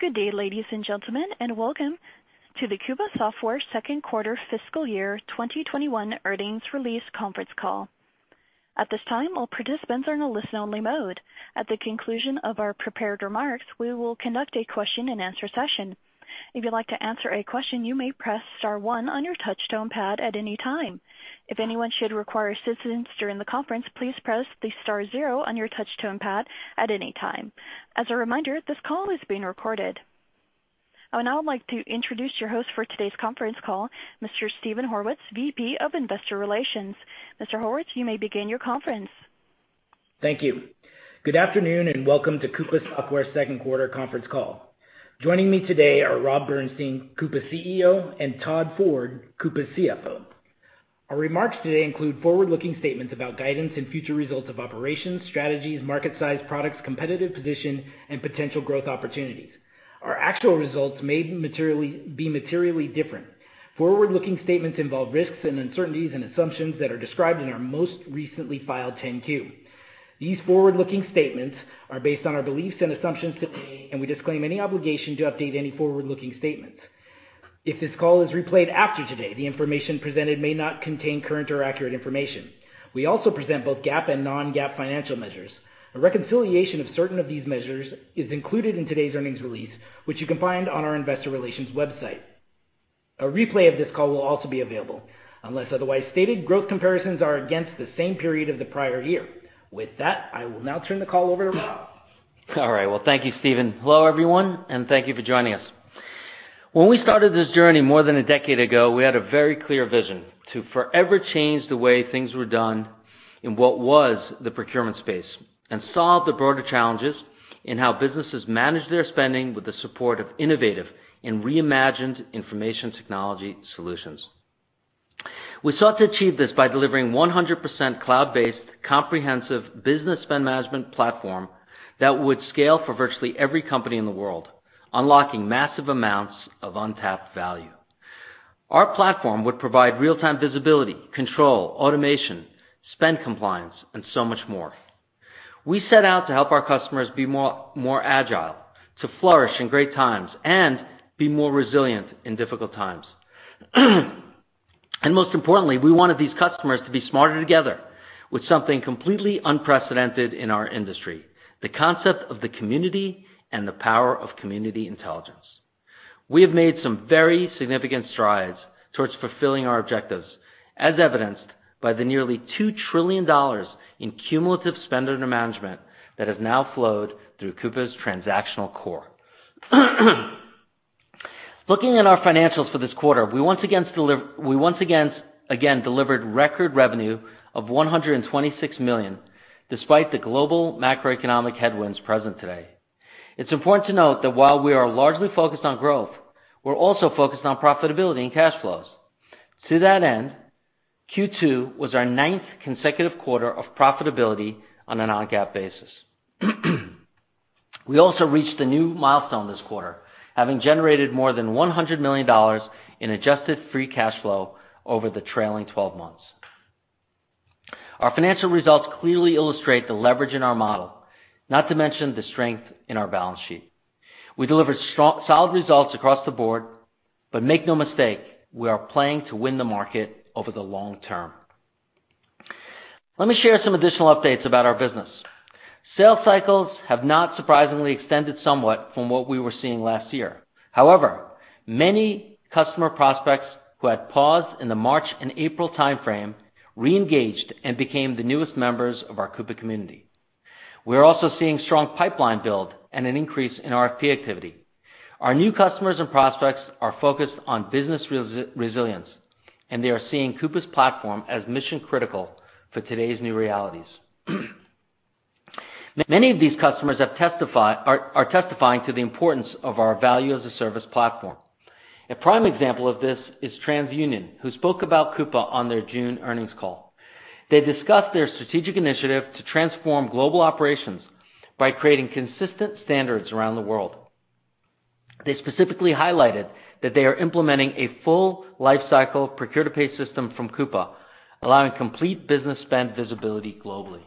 Good day, ladies and gentlemen, and welcome to the Coupa Software Q2 FY 2021 Earnings Release Conference Call. At this time, all participants are in a listen-only mode. At the conclusion of our prepared remarks, we will conduct a question-and-answer session. If you'd like to answer a question, you may press star one on your touchtone pad at any time. If anyone should require assistance during the conference, please press the star zero on your touchtone pad at any time. As a reminder, this call is being recorded. I would now like to introduce your host for today's conference call, Mr. Steven Horwitz, VP of Investor Relations. Mr. Horwitz, you may begin your conference. Thank you. Good afternoon and welcome to Coupa Software Q2 Conference Call. Joining me today are Rob Bernshteyn, Coupa CEO, and Todd Ford, Coupa CFO. Our remarks today include forward-looking statements about guidance and future results of operations, strategies, market size, products, competitive position, and potential growth opportunities. Our actual results may be materially different. Forward-looking statements involve risks and uncertainties and assumptions that are described in our most recently filed 10-Q. These forward-looking statements are based on our beliefs and assumptions to date, and we disclaim any obligation to update any forward-looking statements. If this call is replayed after today, the information presented may not contain current or accurate information. We also present both GAAP and non-GAAP financial measures. A reconciliation of certain of these measures is included in today's earnings release, which you can find on our investor relations website. A replay of this call will also be available. Unless otherwise stated, growth comparisons are against the same period of the prior year. With that, I will now turn the call over to Rob. All right. Well, thank you, Steven. Hello, everyone, thank you for joining us. When we started this journey more than a decade ago, we had a very clear vision to forever change the way things were done in what was the procurement space and solve the broader challenges in how businesses manage their spending with the support of innovative and reimagined information technology solutions. We sought to achieve this by delivering 100% cloud-based comprehensive business spend management platform that would scale for virtually every company in the world, unlocking massive amounts of untapped value. Our platform would provide real-time visibility, control, automation, spend compliance, and so much more. We set out to help our customers be more agile, to flourish in great times and be more resilient in difficult times. Most importantly, we wanted these customers to be Smarter Together with something completely unprecedented in our industry, the concept of the community and the power of community intelligence. We have made some very significant strides towards fulfilling our objectives, as evidenced by the nearly $2 trillion in cumulative spend under management that has now flowed through Coupa's transactional core. Looking at our financials for this quarter, we once again delivered record revenue of $126 million despite the global macroeconomic headwinds present today. It's important to note that while we are largely focused on growth, we're also focused on profitability and cash flows. To that end, Q2 was our ninth consecutive quarter of profitability on a non-GAAP basis. We also reached a new milestone this quarter, having generated more than $100 million in adjusted free cash flow over the trailing 12 months. Our financial results clearly illustrate the leverage in our model, not to mention the strength in our balance sheet. We delivered solid results across the board, make no mistake, we are playing to win the market over the long term. Let me share some additional updates about our business. Sales cycles have not surprisingly extended somewhat from what we were seeing last year. Many customer prospects who had paused in the March and April timeframe reengaged and became the newest members of our Coupa community. We are also seeing strong pipeline build and an increase in RFP activity. Our new customers and prospects are focused on business resilience, they are seeing Coupa's platform as mission-critical for today's new realities. Many of these customers are testifying to the importance of our Value as a Service platform. A prime example of this is TransUnion, who spoke about Coupa on their June earnings call. They discussed their strategic initiative to transform global operations by creating consistent standards around the world. They specifically highlighted that they are implementing a full lifecycle procure-to-pay system from Coupa, allowing complete business spend visibility globally.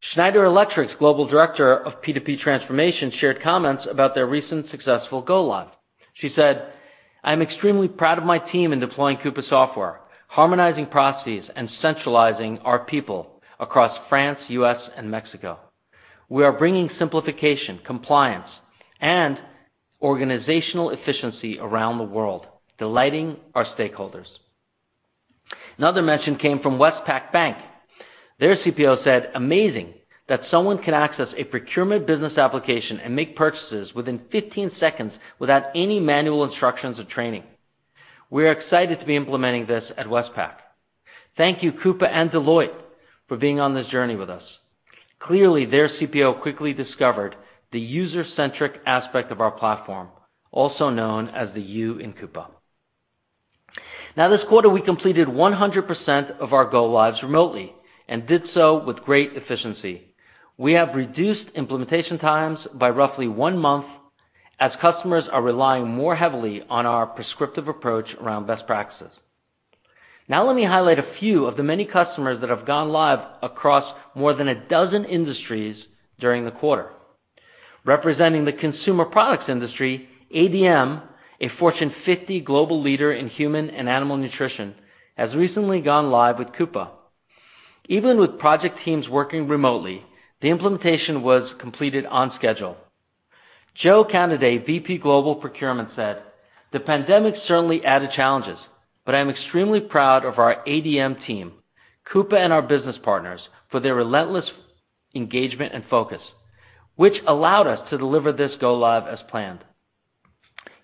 Schneider Electric's global director of P2P transformation shared comments about their recent successful go-live. She said, "I'm extremely proud of my team in deploying Coupa Software, harmonizing processes, and centralizing our people across France, U.S., and Mexico. We are bringing simplification, compliance, and organizational efficiency around the world, delighting our stakeholders." Another mention came from Westpac Bank. Their CPO said, "Amazing that someone can access a procurement business application and make purchases within 15 seconds without any manual instructions or training. We are excited to be implementing this at Westpac. Thank you, Coupa and Deloitte, for being on this journey with us." Clearly, their CPO quickly discovered the user-centric aspect of our platform, also known as the U in Coupa. This quarter, we completed 100% of our go-lives remotely and did so with great efficiency. We have reduced implementation times by roughly one month as customers are relying more heavily on our prescriptive approach around best practices. Let me highlight a few of the many customers that have gone live across more than a dozen industries during the quarter. Representing the consumer products industry, ADM, a Fortune 50 global leader in human and animal nutrition, has recently gone live with Coupa. Even with project teams working remotely, the implementation was completed on schedule. Joseph Canaday, VP Global Procurement, said, "The pandemic certainly added challenges, but I'm extremely proud of our ADM team, Coupa and our business partners for their relentless engagement and focus, which allowed us to deliver this go live as planned."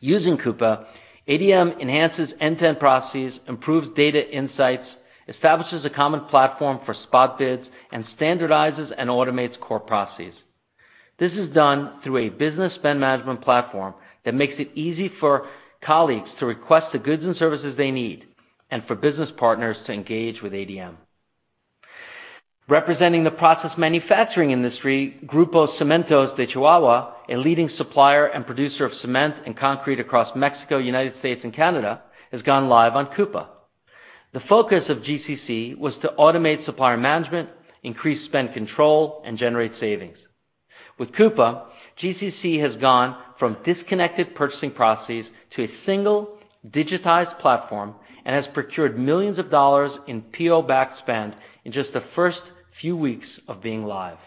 Using Coupa, ADM enhances end-to-end processes, improves data insights, establishes a common platform for spot bids, and standardizes and automates core processes. This is done through a business spend management platform that makes it easy for colleagues to request the goods and services they need, and for business partners to engage with ADM. Representing the process manufacturing industry, Grupo Cementos de Chihuahua, a leading supplier and producer of cement and concrete across Mexico, United States, and Canada, has gone live on Coupa. The focus of GCC was to automate supplier management, increase spend control, and generate savings. With Coupa, GCC has gone from disconnected purchasing processes to a single digitized platform and has procured $ millions in PO-backed spend in just the first few weeks of being live.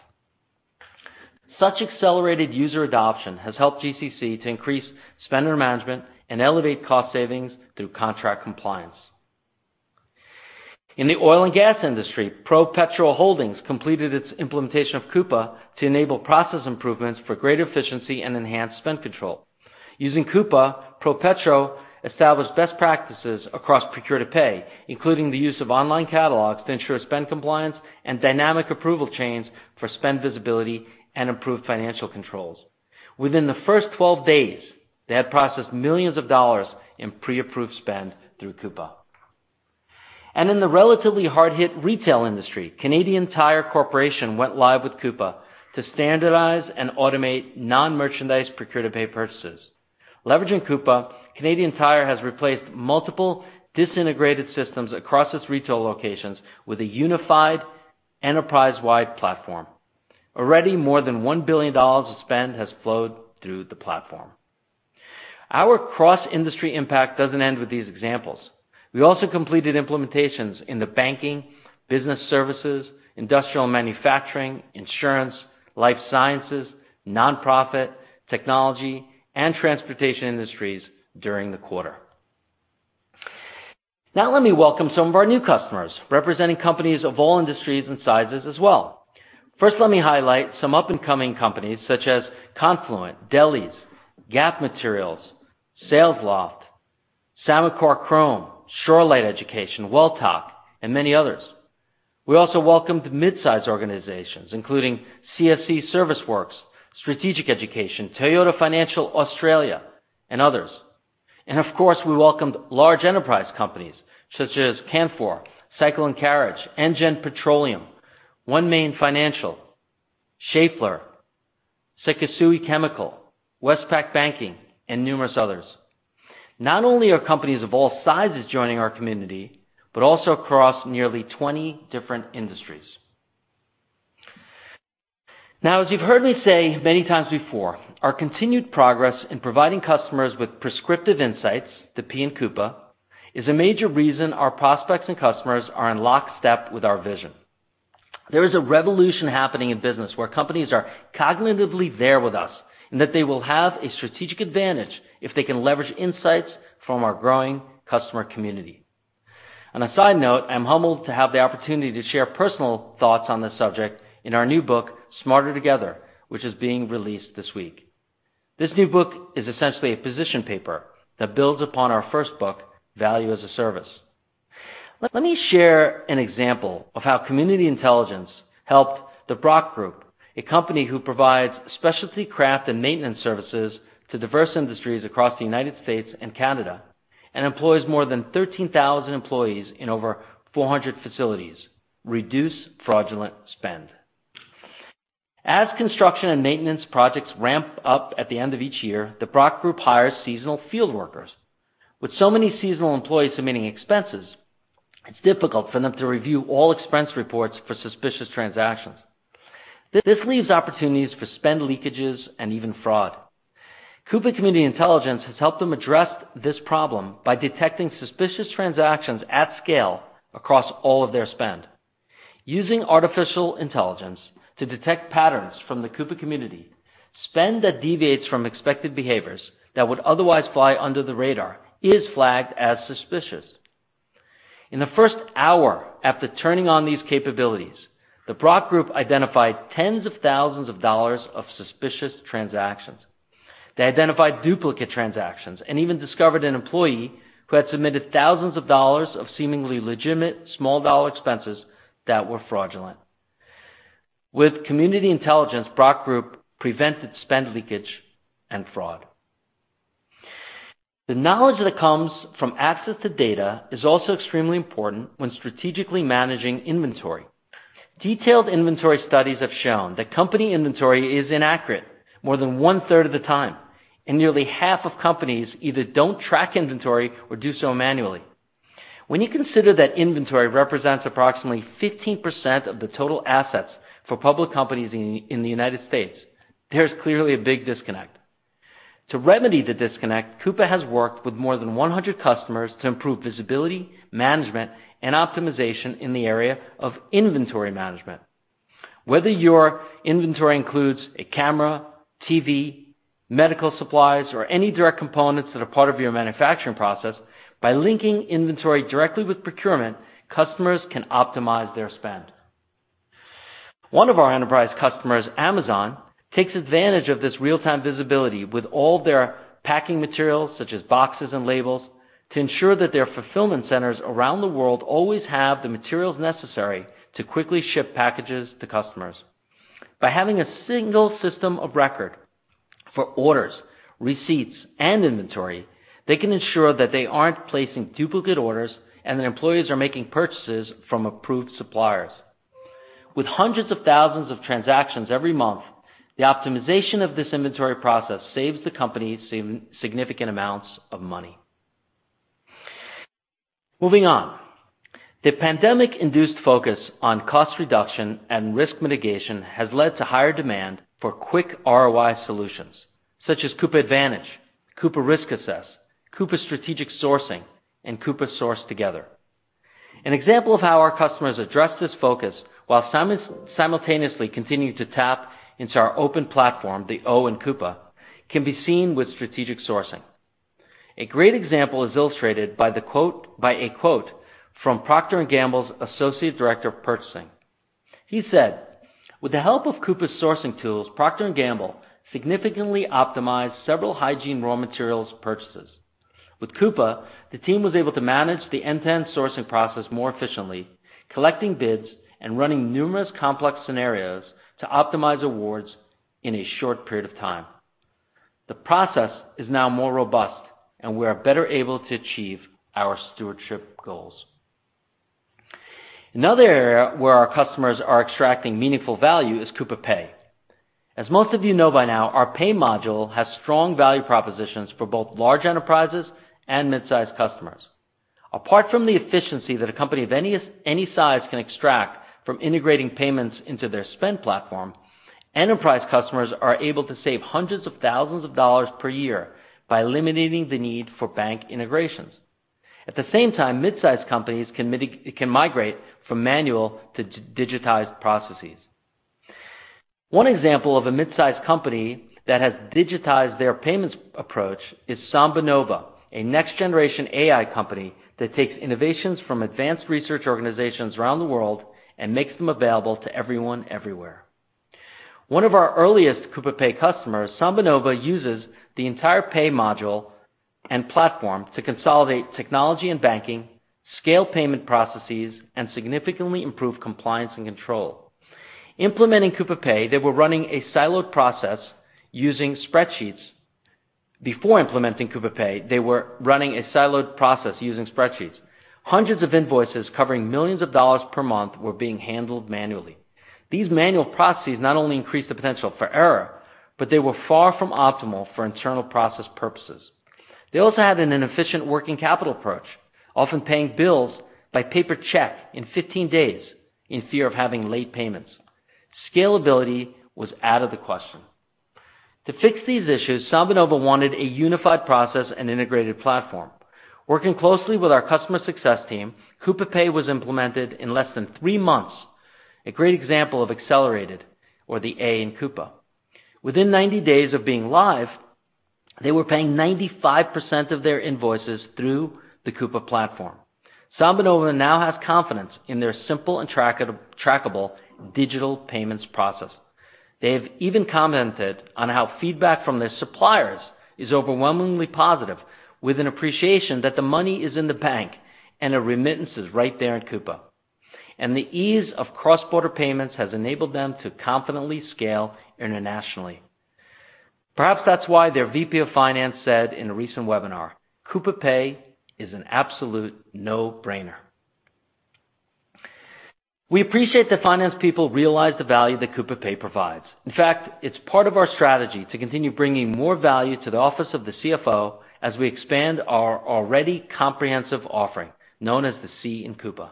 Such accelerated user adoption has helped GCC to increase spend management and elevate cost savings through contract compliance. In the oil and gas industry, ProPetro Holdings completed its implementation of Coupa to enable process improvements for greater efficiency and enhanced spend control. Using Coupa, ProPetro established best practices across procure-to-pay, including the use of online catalogs to ensure spend compliance and dynamic approval chains for spend visibility and improved financial controls. Within the first 12 days, they had processed $ millions in pre-approved spend through Coupa. In the relatively hard-hit retail industry, Canadian Tire Corporation went live with Coupa to standardize and automate non-merchandise procure-to-pay purchases. Leveraging Coupa, Canadian Tire has replaced multiple disintegrated systems across its retail locations with a unified enterprise-wide platform. Already, more than $1 billion of spend has flowed through the platform. Our cross-industry impact doesn't end with these examples. We also completed implementations in the banking, business services, industrial manufacturing, insurance, life sciences, non-profit, technology, and transportation industries during the quarter. Now let me welcome some of our new customers, representing companies of all industries and sizes as well. First, let me highlight some up-and-coming companies such as Confluent, Delis, Gap Materials, Salesloft, Samancor Chrome, Shorelight Education, Welltok, and many others. We also welcomed mid-size organizations including CSC ServiceWorks, Strategic Education, Toyota Finance Australia, and others. Of course, we welcomed large enterprise companies such as Canfor, Cycle & Carriage, Engen Petroleum, OneMain Financial, Schaeffler, Sekisui Chemical, Westpac Banking, and numerous others. Not only are companies of all sizes joining our community, but also across nearly 20 different industries. Now, as you've heard me say many times before, our continued progress in providing customers with prescriptive insights, the P in Coupa, is a major reason our prospects and customers are in lockstep with our vision. There is a revolution happening in business where companies are cognitively there with us, and that they will have a strategic advantage if they can leverage insights from our growing customer community. On a side note, I'm humbled to have the opportunity to share personal thoughts on this subject in our new book, "Smarter Together," which is being released this week. This new book is essentially a position paper that builds upon our first book, "Value as a Service." Let me share an example of how community intelligence helped The Brock Group, a company who provides specialty craft and maintenance services to diverse industries across the U.S. and Canada, and employs more than 13,000 employees in over 400 facilities, reduce fraudulent spend. As construction and maintenance projects ramp up at the end of each year, The Brock Group hires seasonal field workers. With so many seasonal employees submitting expenses, it's difficult for them to review all expense reports for suspicious transactions. This leaves opportunities for spend leakages and even fraud. Coupa Community Intelligence has helped them address this problem by detecting suspicious transactions at scale across all of their spend. Using artificial intelligence to detect patterns from the Coupa community, spend that deviates from expected behaviors that would otherwise fly under the radar is flagged as suspicious. In the first hour after turning on these capabilities, The Brock Group identified tens of thousands of dollars of suspicious transactions. They identified duplicate transactions and even discovered an employee who had submitted thousands of dollars of seemingly legitimate small-dollar expenses that were fraudulent. With Community Intelligence, Brock Group prevented spend leakage and fraud. The knowledge that comes from access to data is also extremely important when strategically managing inventory. Detailed inventory studies have shown that company inventory is inaccurate more than one-third of the time, and nearly half of companies either don't track inventory or do so manually. When you consider that inventory represents approximately 15% of the total assets for public companies in the United States, there's clearly a big disconnect. To remedy the disconnect, Coupa has worked with more than 100 customers to improve visibility, management, and optimization in the area of inventory management. Whether your inventory includes a camera, TV, medical supplies, or any direct components that are part of your manufacturing process, by linking inventory directly with procurement, customers can optimize their spend. One of our enterprise customers, Amazon, takes advantage of this real-time visibility with all their packing materials, such as boxes and labels, to ensure that their fulfillment centers around the world always have the materials necessary to quickly ship packages to customers. By having a single system of record for orders, receipts, and inventory, they can ensure that they aren't placing duplicate orders and that employees are making purchases from approved suppliers. With hundreds of thousands of transactions every month, the optimization of this inventory process saves the company significant amounts of money. Moving on. The pandemic-induced focus on cost reduction and risk mitigation has led to higher demand for quick ROI solutions, such as Coupa Advantage, Coupa Risk Assess, Coupa Strategic Sourcing, and Coupa Source Together. An example of how our customers address this focus while simultaneously continuing to tap into our open platform, the O in Coupa, can be seen with strategic sourcing. A great example is illustrated by a quote from Procter & Gamble's Associate Director of Purchasing. He said, "With the help of Coupa's sourcing tools, Procter & Gamble significantly optimized several hygiene raw materials purchases. With Coupa, the team was able to manage the end-to-end sourcing process more efficiently, collecting bids and running numerous complex scenarios to optimize awards in a short period of time. The process is now more robust, and we are better able to achieve our stewardship goals. Another area where our customers are extracting meaningful value is Coupa Pay. As most of you know by now, our pay module has strong value propositions for both large enterprises and midsize customers. Apart from the efficiency that a company of any size can extract from integrating payments into their spend platform, enterprise customers are able to save hundreds of thousands of dollars per year by eliminating the need for bank integrations. At the same time, midsize companies can migrate from manual to digitized processes. One example of a midsize company that has digitized their payments approach is SambaNova, a next-generation AI company that takes innovations from advanced research organizations around the world and makes them available to everyone, everywhere. One of our earliest Coupa Pay customers, SambaNova, uses the entire Pay module and platform to consolidate technology and banking, scale payment processes, and significantly improve compliance and control. Before implementing Coupa Pay, they were running a siloed process using spreadsheets. Hundreds of invoices covering millions of dollars per month were being handled manually. These manual processes not only increased the potential for error, but they were far from optimal for internal process purposes. They also had an inefficient working capital approach, often paying bills by paper check in 15 days in fear of having late payments. Scalability was out of the question. To fix these issues, SambaNova wanted a unified process and integrated platform. Working closely with our customer success team, Coupa Pay was implemented in less than three months, a great example of accelerated or the A in Coupa. Within 90 days of being live, they were paying 95% of their invoices through the Coupa platform. SambaNova now has confidence in their simple and trackable digital payments process. They've even commented on how feedback from their suppliers is overwhelmingly positive, with an appreciation that the money is in the bank and a remittance is right there in Coupa. The ease of cross-border payments has enabled them to confidently scale internationally. Perhaps that's why their VP of Finance said in a recent webinar, "Coupa Pay is an absolute no-brainer." We appreciate that finance people realize the value that Coupa Pay provides. In fact, it's part of our strategy to continue bringing more value to the office of the CFO as we expand our already comprehensive offering, known as the C in Coupa.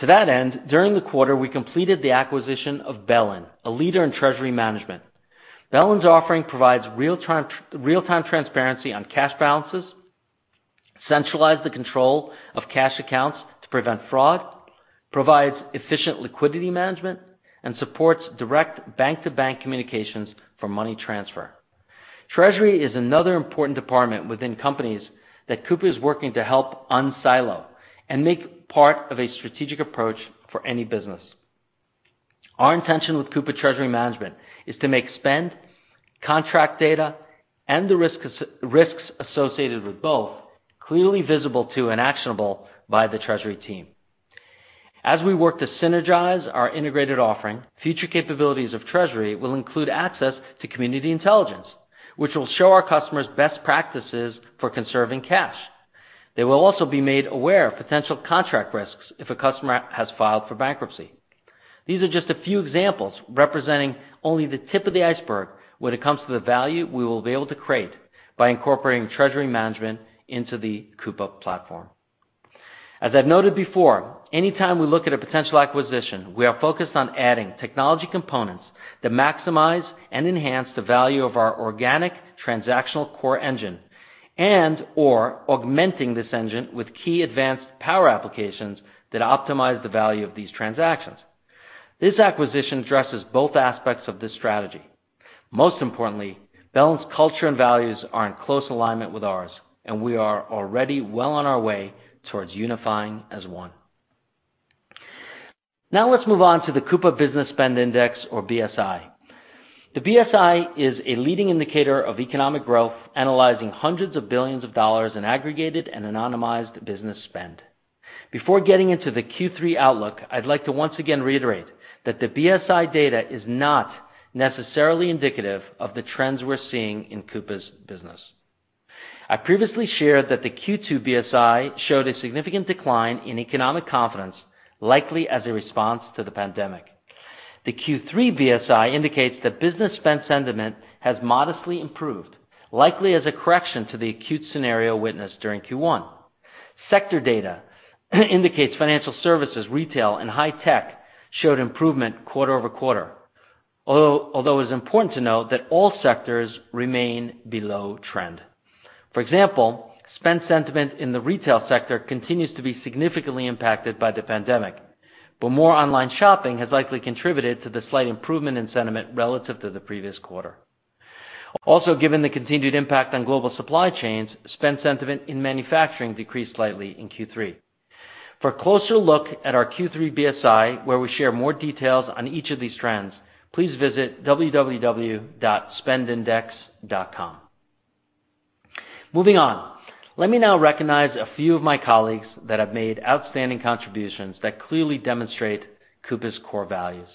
To that end, during the quarter, we completed the acquisition of BELLIN, a leader in treasury management. BELLIN's offering provides real-time transparency on cash balances, centralize the control of cash accounts to prevent fraud, provides efficient liquidity management, and supports direct bank-to-bank communications for money transfer. Treasury is another important department within companies that Coupa is working to help unsilo and make part of a strategic approach for any business. Our intention with Coupa Treasury Management is to make spend, contract data, and the risks associated with both clearly visible to and actionable by the treasury team. As we work to synergize our integrated offering, future capabilities of Treasury will include access to Community Intelligence, which will show our customers best practices for conserving cash. They will also be made aware of potential contract risks if a customer has filed for bankruptcy. These are just a few examples representing only the tip of the iceberg when it comes to the value we will be able to create by incorporating treasury management into the Coupa platform. As I've noted before, anytime we look at a potential acquisition, we are focused on adding technology components that maximize and enhance the value of our organic transactional core engine and/or augmenting this engine with key advanced power applications that optimize the value of these transactions. This acquisition addresses both aspects of this strategy. Most importantly, BELLIN's culture and values are in close alignment with ours, and we are already well on our way towards unifying as one. Now let's move on to the Coupa Business Spend Index or BSI. The BSI is a leading indicator of economic growth, analyzing hundreds of billions of dollars in aggregated and anonymized business spend. Before getting into the Q3 outlook, I'd like to once again reiterate that the BSI data is not necessarily indicative of the trends we're seeing in Coupa's business. I previously shared that the Q2 BSI showed a significant decline in economic confidence, likely as a response to the pandemic. The Q3 BSI indicates that business spend sentiment has modestly improved, likely as a correction to the acute scenario witnessed during Q1. Sector data indicates financial services, retail, and high tech showed improvement quarter-over-quarter, although it is important to note that all sectors remain below trend. For example, spend sentiment in the retail sector continues to be significantly impacted by the pandemic. More online shopping has likely contributed to the slight improvement in sentiment relative to the previous quarter. Also, given the continued impact on global supply chains, spend sentiment in manufacturing decreased slightly in Q3. For a closer look at our Q3 BSI, where we share more details on each of these trends, please visit www.spendindex.com. Moving on. Let me now recognize a few of my colleagues that have made outstanding contributions that clearly demonstrate Coupa's core values.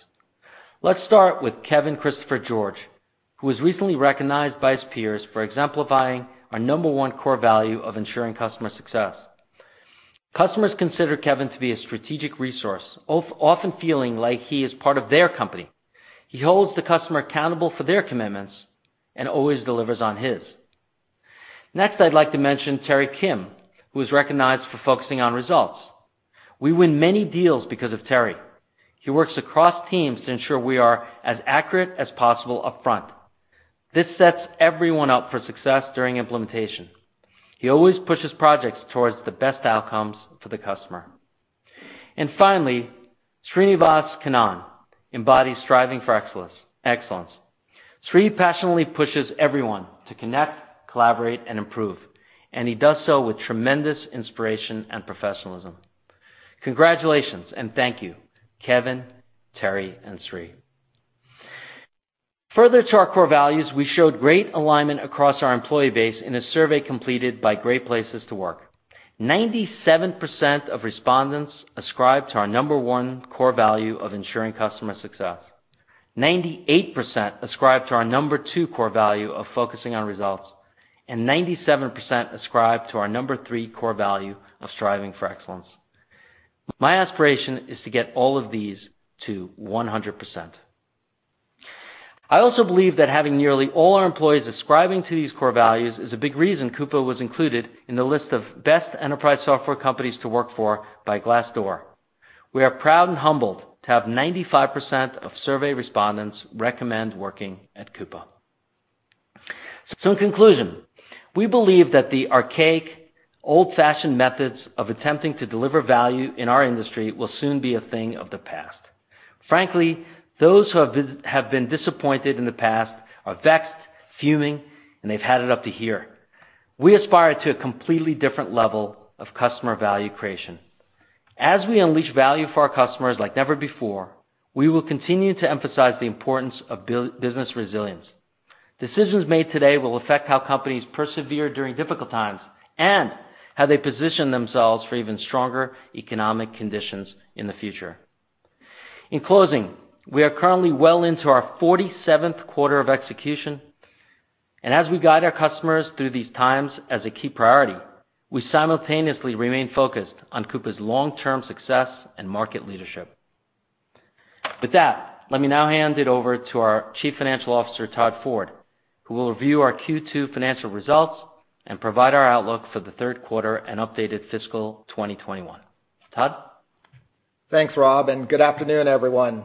Let's start with Kevin Christopher George, who was recently recognized by his peers for exemplifying our number 1 core value of ensuring customer success. Customers consider Kevin to be a strategic resource, often feeling like he is part of their company. He holds the customer accountable for their commitments and always delivers on his. Next, I'd like to mention Terry Kim, who was recognized for focusing on results. We win many deals because of Terry. He works across teams to ensure we are as accurate as possible upfront. This sets everyone up for success during implementation. He always pushes projects towards the best outcomes for the customer. Finally, Srinivas Kannan embodies striving for excellence. Sri passionately pushes everyone to connect, collaborate, and improve, and he does so with tremendous inspiration and professionalism. Congratulations, thank you, Kevin, Terry, and Sri. Further to our core values, we showed great alignment across our employee base in a survey completed by Great Place to Work. 97% of respondents ascribe to our number one core value of ensuring customer success. 98% ascribe to our number two core value of focusing on results, 97% ascribe to our number three core value of striving for excellence. My aspiration is to get all of these to 100%. I also believe that having nearly all our employees ascribing to these core values is a big reason Coupa was included in the list of best enterprise software companies to work for by Glassdoor. We are proud and humbled to have 95% of survey respondents recommend working at Coupa. In conclusion, we believe that the archaic, old-fashioned methods of attempting to deliver value in our industry will soon be a thing of the past. Frankly, those who have been disappointed in the past are vexed, fuming, and they've had it up to here. We aspire to a completely different level of customer value creation. As we unleash value for our customers like never before, we will continue to emphasize the importance of business resilience. Decisions made today will affect how companies persevere during difficult times and how they position themselves for even stronger economic conditions in the future. In closing, we are currently well into our 47th quarter of execution, and as we guide our customers through these times as a key priority, we simultaneously remain focused on Coupa's long-term success and market leadership. With that, let me now hand it over to our Chief Financial Officer, Todd Ford, who will review our Q2 financial results and provide our outlook for the third quarter and updated fiscal 2021. Todd? Thanks, Rob. Good afternoon, everyone.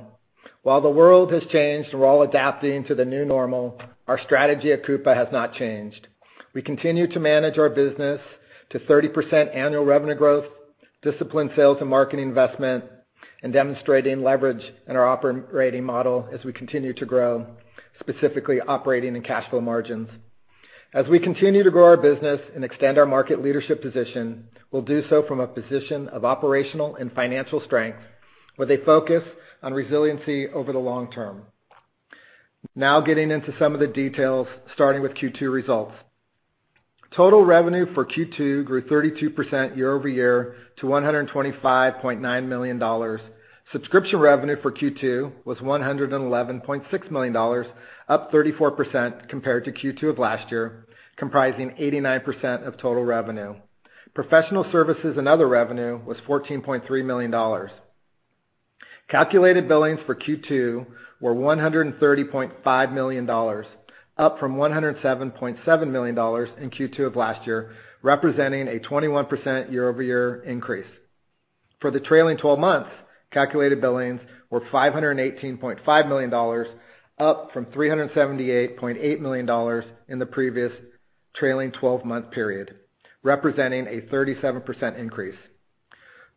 While the world has changed and we're all adapting to the new normal, our strategy at Coupa has not changed. We continue to manage our business to 30% annual revenue growth, disciplined sales and marketing investment, and demonstrating leverage in our operating model as we continue to grow, specifically operating in cash flow margins. We continue to grow our business and extend our market leadership position, we'll do so from a position of operational and financial strength with a focus on resiliency over the long term. Now getting into some of the details, starting with Q2 results. Total revenue for Q2 grew 32% year-over-year to $125.9 million. Subscription revenue for Q2 was $111.6 million, up 34% compared to Q2 of last year, comprising 89% of total revenue. Professional services and other revenue was $14.3 million. Calculated billings for Q2 were $130.5 million, up from $107.7 million in Q2 of last year, representing a 21% year-over-year increase. For the trailing 12 months, calculated billings were $518.5 million, up from $378.8 million in the previous trailing 12-month period, representing a 37% increase.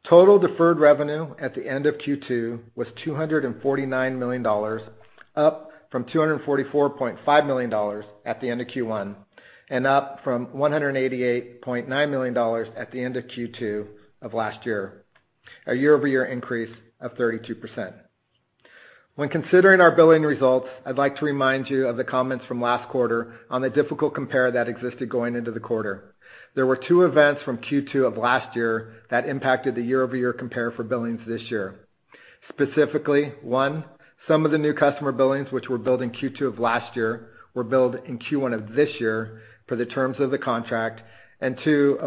Total deferred revenue at the end of Q2 was $249 million, up from $244.5 million at the end of Q1, and up from $188.9 million at the end of Q2 of last year, a year-over-year increase of 32%. When considering our billing results, I'd like to remind you of the comments from last quarter on the difficult compare that existed going into the quarter. There were two events from Q2 of last year that impacted the year-over-year compare for billings this year. Specifically, one, some of the new customer billings which were billed in Q2 of last year were billed in Q1 of this year for the terms of the contract. Two,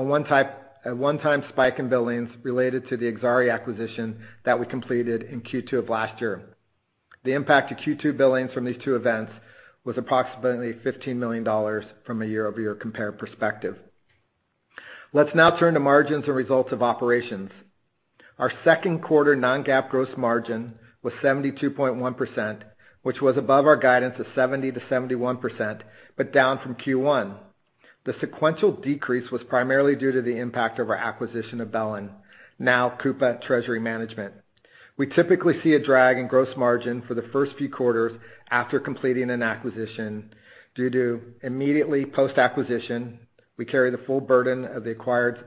a one-time spike in billings related to the Exari acquisition that we completed in Q2 of last year. The impact to Q2 billings from these two events was approximately $15 million from a year-over-year compare perspective. Let's now turn to margins and results of operations. Our Q2 non-GAAP gross margin was 72.1%, which was above our guidance of 70%-71%, but down from Q1. The sequential decrease was primarily due to the impact of our acquisition of BELLIN, now Coupa Treasury Management. We typically see a drag in gross margin for the first few quarters after completing an acquisition, due to immediately post-acquisition, we carry the full burden of the acquired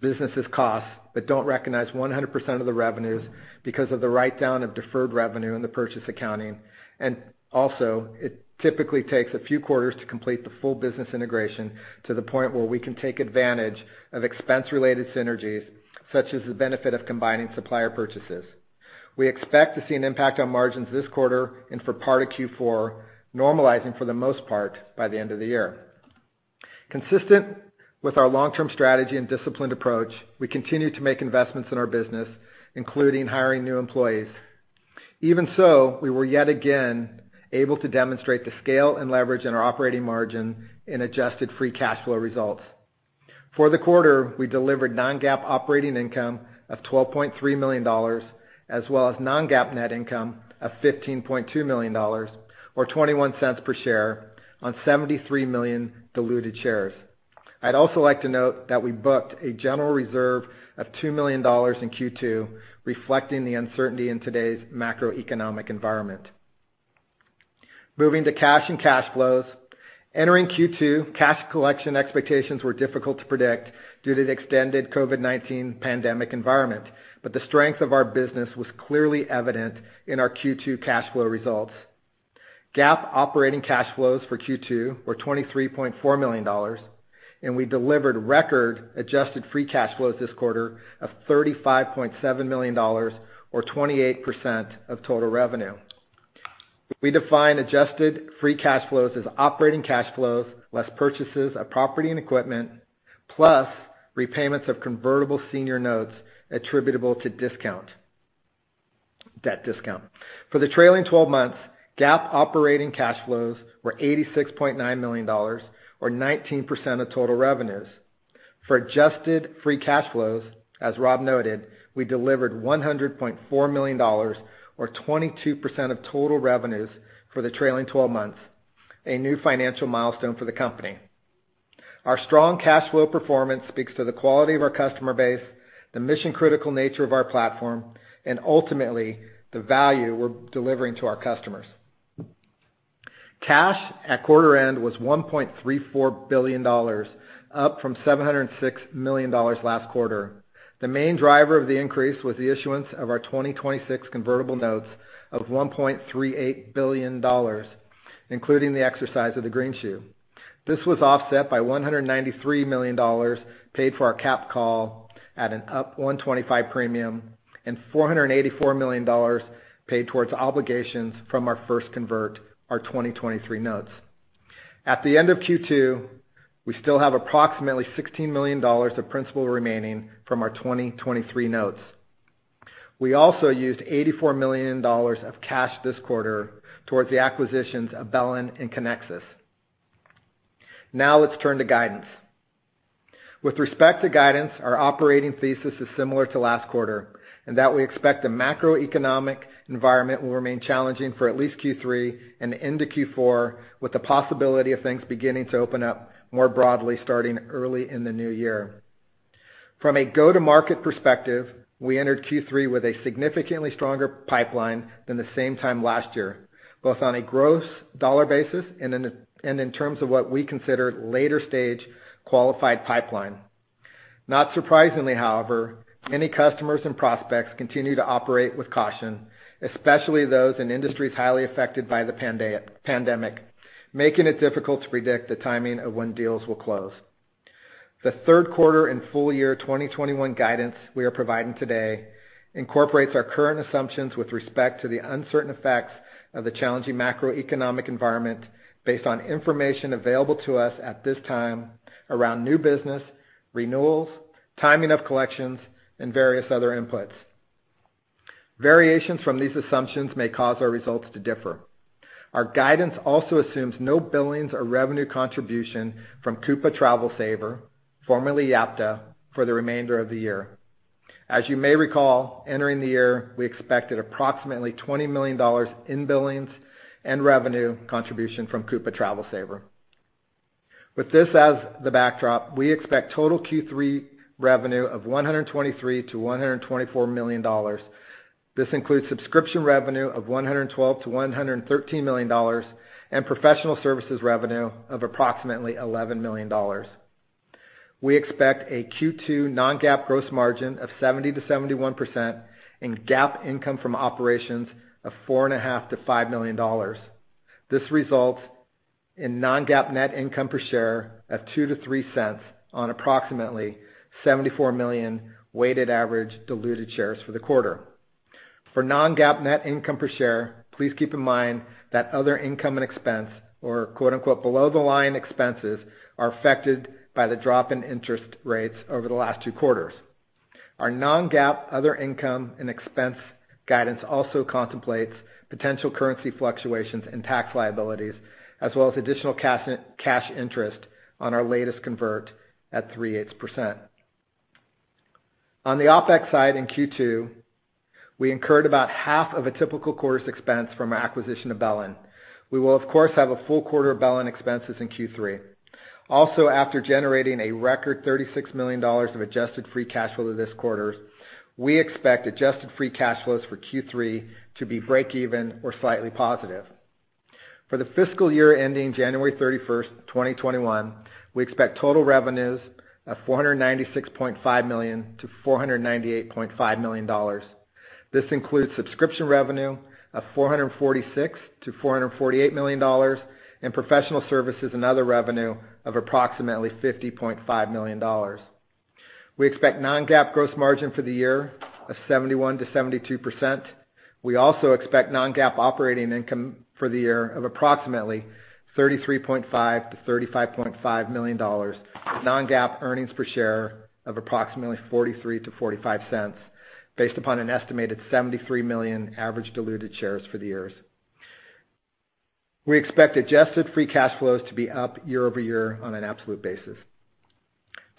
business's costs, but don't recognize 100% of the revenues because of the write-down of deferred revenue in the purchase accounting, and also it typically takes a few quarters to complete the full business integration to the point where we can take advantage of expense-related synergies, such as the benefit of combining supplier purchases. We expect to see an impact on margins this quarter and for part of Q4 normalizing for the most part by the end of the year. Consistent with our long-term strategy and disciplined approach, we continue to make investments in our business, including hiring new employees. Even so, we were yet again able to demonstrate the scale and leverage in our operating margin in adjusted free cash flow results. For the quarter, we delivered non-GAAP operating income of $12.3 million, as well as non-GAAP net income of $15.2 million, or $0.21 per share on 73 million diluted shares. I'd also like to note that we booked a general reserve of $2 million in Q2, reflecting the uncertainty in today's macroeconomic environment. Moving to cash and cash flows. Entering Q2, cash collection expectations were difficult to predict due to the extended COVID-19 pandemic environment. The strength of our business was clearly evident in our Q2 cash flow results. GAAP operating cash flows for Q2 were $23.4 million, and we delivered record adjusted free cash flows this quarter of $35.7 million, or 28% of total revenue. We define adjusted free cash flows as operating cash flows less purchases of property and equipment, plus repayments of convertible senior notes attributable to debt discount. For the trailing 12 months, GAAP operating cash flows were $86.9 million, or 19% of total revenues. For adjusted free cash flows, as Rob noted, we delivered $100.4 million, or 22% of total revenues for the trailing 12 months, a new financial milestone for the company. Our strong cash flow performance speaks to the quality of our customer base, the mission-critical nature of our platform, and ultimately, the value we're delivering to our customers. Cash at quarter end was $1.34 billion, up from $706 million last quarter. The main driver of the increase was the issuance of our 2026 convertible notes of $1.38 billion, including the exercise of the green shoe. This was offset by $193 million paid for our cap call at an up 125 premium and $484 million paid towards obligations from our first convert, our 2023 notes. At the end of Q2, we still have approximately $16 million of principal remaining from our 2023 notes. We also used $84 million of cash this quarter towards the acquisitions of BELLIN and Connexys. Now let's turn to guidance. With respect to guidance, our operating thesis is similar to last quarter, in that we expect the macroeconomic environment will remain challenging for at least Q3 and into Q4, with the possibility of things beginning to open up more broadly starting early in the new year. From a go-to-market perspective, we entered Q3 with a significantly stronger pipeline than the same time last year, both on a gross dollar basis and in terms of what we consider later stage qualified pipeline. Not surprisingly, however, many customers and prospects continue to operate with caution, especially those in industries highly affected by the pandemic, making it difficult to predict the timing of when deals will close. The third quarter and full year 2021 guidance we are providing today incorporates our current assumptions with respect to the uncertain effects of the challenging macroeconomic environment based on information available to us at this time around new business, renewals, timing of collections, and various other inputs. Variations from these assumptions may cause our results to differ. Our guidance also assumes no billings or revenue contribution from Coupa TravelSaver, formerly Yapta, for the remainder of the year. As you may recall, entering the year, we expected approximately $20 million in billings and revenue contribution from Coupa TravelSaver. With this as the backdrop, we expect total Q3 revenue of $123 million-$124 million. This includes subscription revenue of $112 million-$113 million, and professional services revenue of approximately $11 million. We expect a Q2 non-GAAP gross margin of 70%-71%, and GAAP income from operations of $4.5 million-$5 million. This results in non-GAAP net income per share of two-three cents on approximately 74 million weighted average diluted shares for the quarter. For non-GAAP net income per share, please keep in mind that other income and expense or "below the line expenses" are affected by the drop in interest rates over the last two quarters. Our non-GAAP other income and expense guidance also contemplates potential currency fluctuations and tax liabilities, as well as additional cash interest on our latest convert at three-eighths percent. On the OpEx side in Q2, we incurred about half of a typical quarter's expense from our acquisition of BELLIN. We will, of course, have a full quarter of BELLIN expenses in Q3. After generating a record $36 million of adjusted free cash flow this quarter, we expect adjusted free cash flows for Q3 to be break even or slightly positive. For the FY ending January 31st, 2021, we expect total revenues of $496.5 million-$498.5 million. This includes subscription revenue of $446 million-$448 million, and professional services and other revenue of approximately $50.5 million. We expect non-GAAP gross margin for the year of 71%-72%. We also expect non-GAAP operating income for the year of approximately $33.5 million-$35.5 million. Non-GAAP earnings per share of approximately 43-45 cents, based upon an estimated 73 million average diluted shares for the year. We expect adjusted free cash flows to be up year-over-year on an absolute basis.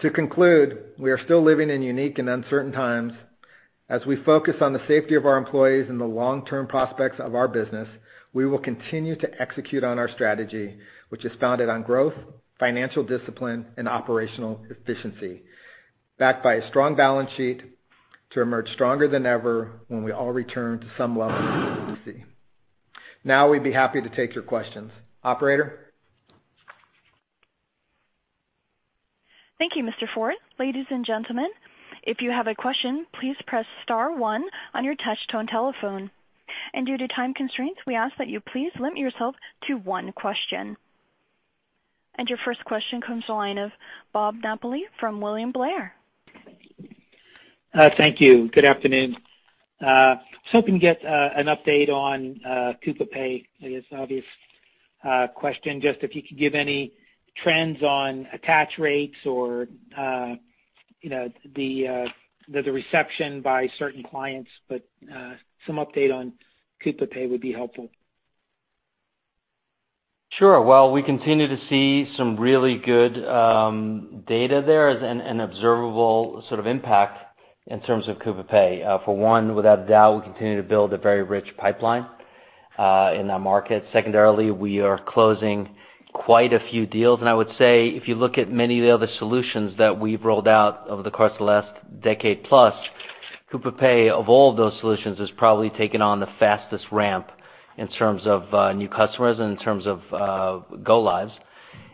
To conclude, we are still living in unique and uncertain times. As we focus on the safety of our employees and the long-term prospects of our business, we will continue to execute on our strategy, which is founded on growth, financial discipline, and operational efficiency, backed by a strong balance sheet to emerge stronger than ever when we all return to some level of normalcy. Now, we'd be happy to take your questions. Operator? Thank you, Mr. Ford. Due to time constraints, we ask that you please limit yourself to one question. Your first question comes to the line of Bob Napoli from William Blair. Thank you. Good afternoon. Just hoping to get an update on Coupa Pay. I guess obvious question, just if you could give any trends on attach rates or the reception by certain clients, but some update on Coupa Pay would be helpful. Sure. Well, we continue to see some really good data there and observable impact in terms of Coupa Pay. For one, without a doubt, we continue to build a very rich pipeline in that market. Secondarily, we are closing quite a few deals. I would say, if you look at many of the other solutions that we've rolled out over the course of the last decade plus, Coupa Pay, of all those solutions, has probably taken on the fastest ramp in terms of new customers and in terms of go lives.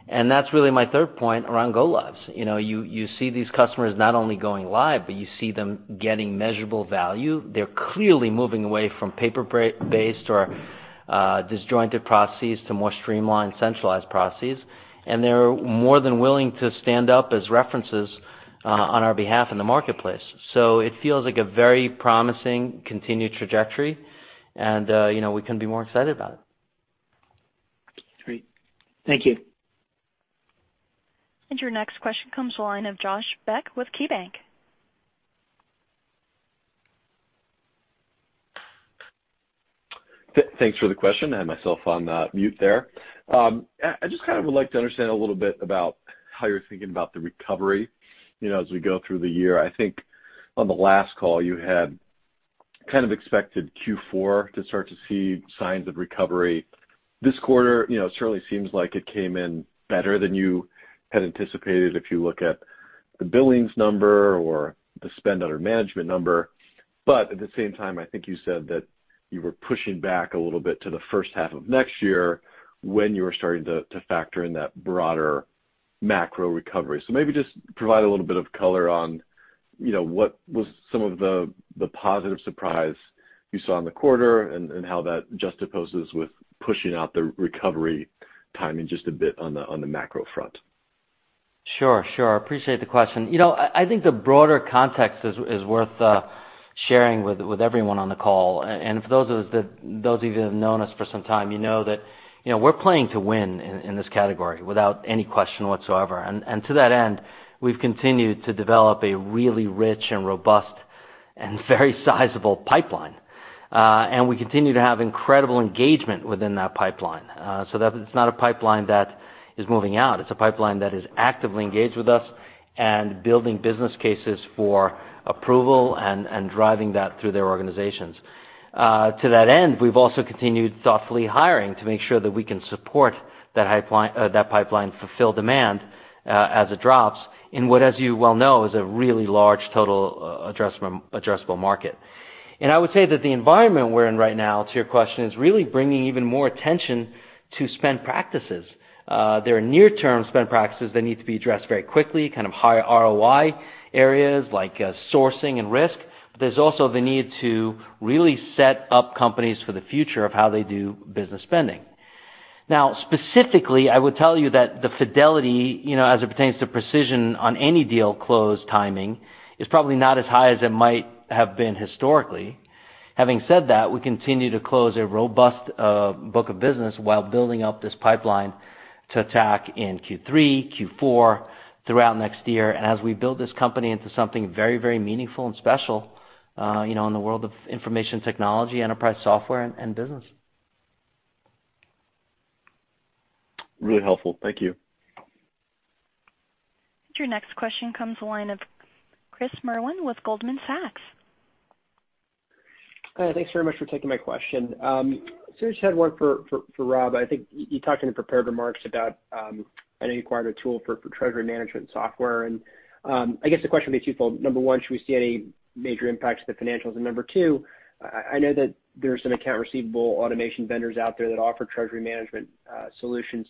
That's really my third point around go lives. You see these customers not only going live, but you see them getting measurable value. They're clearly moving away from paper-based or disjointed processes to more streamlined, centralized processes. They're more than willing to stand up as references on our behalf in the marketplace. It feels like a very promising continued trajectory, and we couldn't be more excited about it. Great. Thank you. Your next question comes to the line of Josh Beck with KeyBanc. Thanks for the question. I had myself on mute there. I just would like to understand a little bit about how you're thinking about the recovery as we go through the year. I think on the last call, you had expected Q4 to start to see signs of recovery. This quarter, it surely seems like it came in better than you had anticipated if you look at the billings number or the spend under management number. At the same time, I think you said that you were pushing back a little bit to the first half of next year when you were starting to factor in that broader macro recovery. Maybe just provide a little bit of color on what was some of the positive surprise you saw in the quarter and how that juxtaposes with pushing out the recovery timing just a bit on the macro front. Sure. Appreciate the question. I think the broader context is worth sharing with everyone on the call. For those of you that have known us for some time, you know that we're playing to win in this category, without any question whatsoever. To that end, we've continued to develop a really rich and robust and very sizable pipeline We continue to have incredible engagement within that pipeline. That it's not a pipeline that is moving out, it's a pipeline that is actively engaged with us and building business cases for approval and driving that through their organizations. To that end, we've also continued thoughtfully hiring to make sure that we can support that pipeline fulfill demand as it drops in what, as you well know, is a really large total addressable market. I would say that the environment we're in right now, to your question, is really bringing even more attention to spend practices. There are near term spend practices that need to be addressed very quickly, kind of higher ROI areas like sourcing and risk. There's also the need to really set up companies for the future of how they do business spending. Now, specifically, I would tell you that the fidelity, as it pertains to precision on any deal close timing, is probably not as high as it might have been historically. Having said that, we continue to close a robust book of business while building out this pipeline to attack in Q3, Q4, throughout next year, and as we build this company into something very, very meaningful and special in the world of information technology, enterprise software and business. Really helpful. Thank you. Your next question comes the line of Chris Merwin with Goldman Sachs. Thanks very much for taking my question. Just had one for Rob. I think you talked in your prepared remarks about an acquired tool for treasury management software. I guess the question would be twofold. Number one, should we see any major impacts to the financials? Number two, I know that there's some account receivable automation vendors out there that offer treasury management solutions.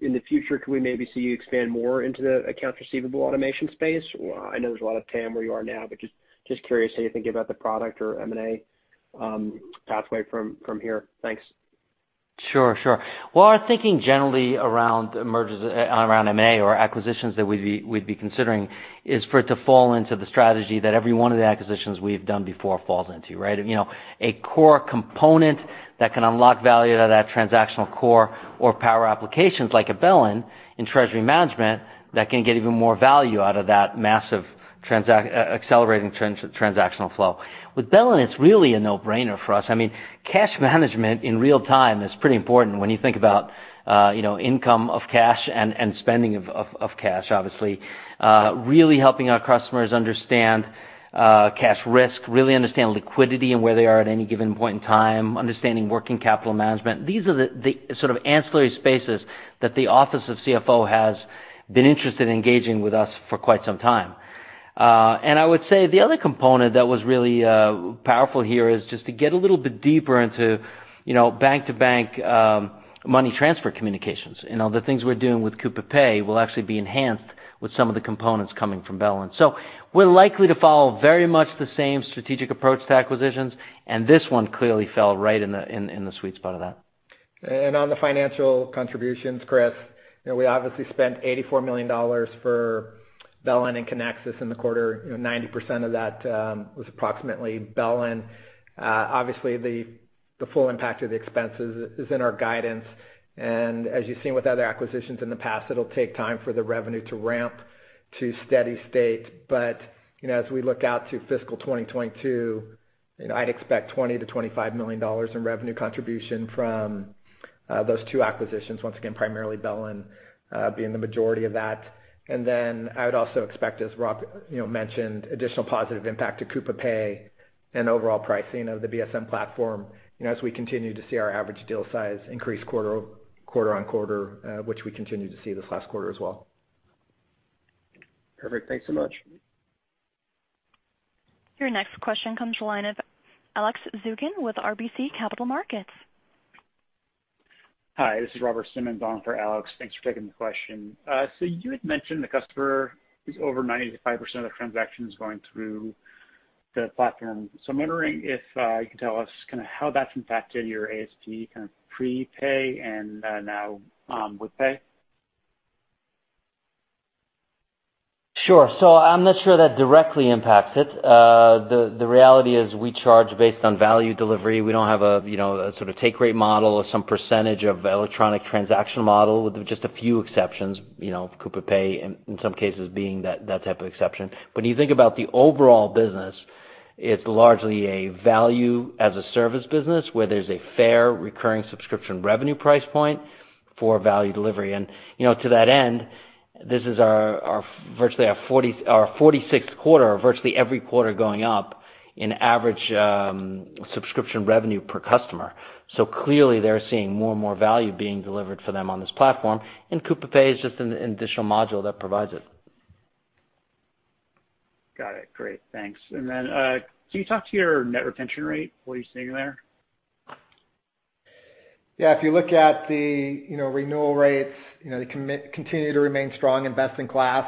In the future, could we maybe see you expand more into the accounts receivable automation space? I know there's a lot of TAM where you are now, but just curious how you think about the product or M&A pathway from here. Thanks. Sure. Well, our thinking generally around M&A or acquisitions that we'd be considering is for it to fall into the strategy that every one of the acquisitions we've done before falls into, right? A core component that can unlock value out of that transactional core or power applications like BELLIN in treasury management that can get even more value out of that massive accelerating transactional flow. With BELLIN, it's really a no-brainer for us. I mean, cash management in real time is pretty important when you think about income of cash and spending of cash, obviously. Really helping our customers understand cash risk, really understand liquidity and where they are at any given point in time, understanding working capital management. These are the sort of ancillary spaces that the office of CFO has been interested in engaging with us for quite some time. I would say the other component that was really powerful here is just to get a little bit deeper into bank-to-bank money transfer communications. The things we're doing with Coupa Pay will actually be enhanced with some of the components coming from BELLIN. We're likely to follow very much the same strategic approach to acquisitions, and this one clearly fell right in the sweet spot of that. On the financial contributions, Chris, we obviously spent $84 million for BELLIN and Connexys in the quarter. 90% of that was approximately BELLIN. Obviously, the full impact of the expenses is in our guidance. As you've seen with other acquisitions in the past, it'll take time for the revenue to ramp to steady state. As we look out to fiscal 2022, I'd expect $20 to $25 million in revenue contribution from those two acquisitions. Once again, primarily BELLIN being the majority of that. I would also expect, as Rob mentioned, additional positive impact to Coupa Pay and overall pricing of the BSM platform, as we continue to see our average deal size increase quarter-over-quarter, which we continued to see this last quarter as well. Perfect. Thanks so much. Your next question comes the line of Alex Zukin with RBC Capital Markets. Hi, this is Robert Simmons on for Alex. Thanks for taking the question. You had mentioned the customer is over 95% of the transactions going through the platform. I'm wondering if you can tell us how that's impacted your ASP prepay and now with pay. Sure. I'm not sure that directly impacts it. The reality is we charge based on value delivery. We don't have a sort of take rate model or some percentage of electronic transaction model, with just a few exceptions, Coupa Pay, in some cases, being that type of exception. When you think about the overall business, it's largely a value as a service business where there's a fair recurring subscription revenue price point for value delivery. To that end, this is virtually our 46th quarter, virtually every quarter going up in average subscription revenue per customer. Clearly they're seeing more and more value being delivered for them on this platform. Coupa Pay is just an additional module that provides it. Got it. Great. Thanks. can you talk to your net retention rate, what you're seeing there? Yeah, if you look at the renewal rates, they continue to remain strong and best in class.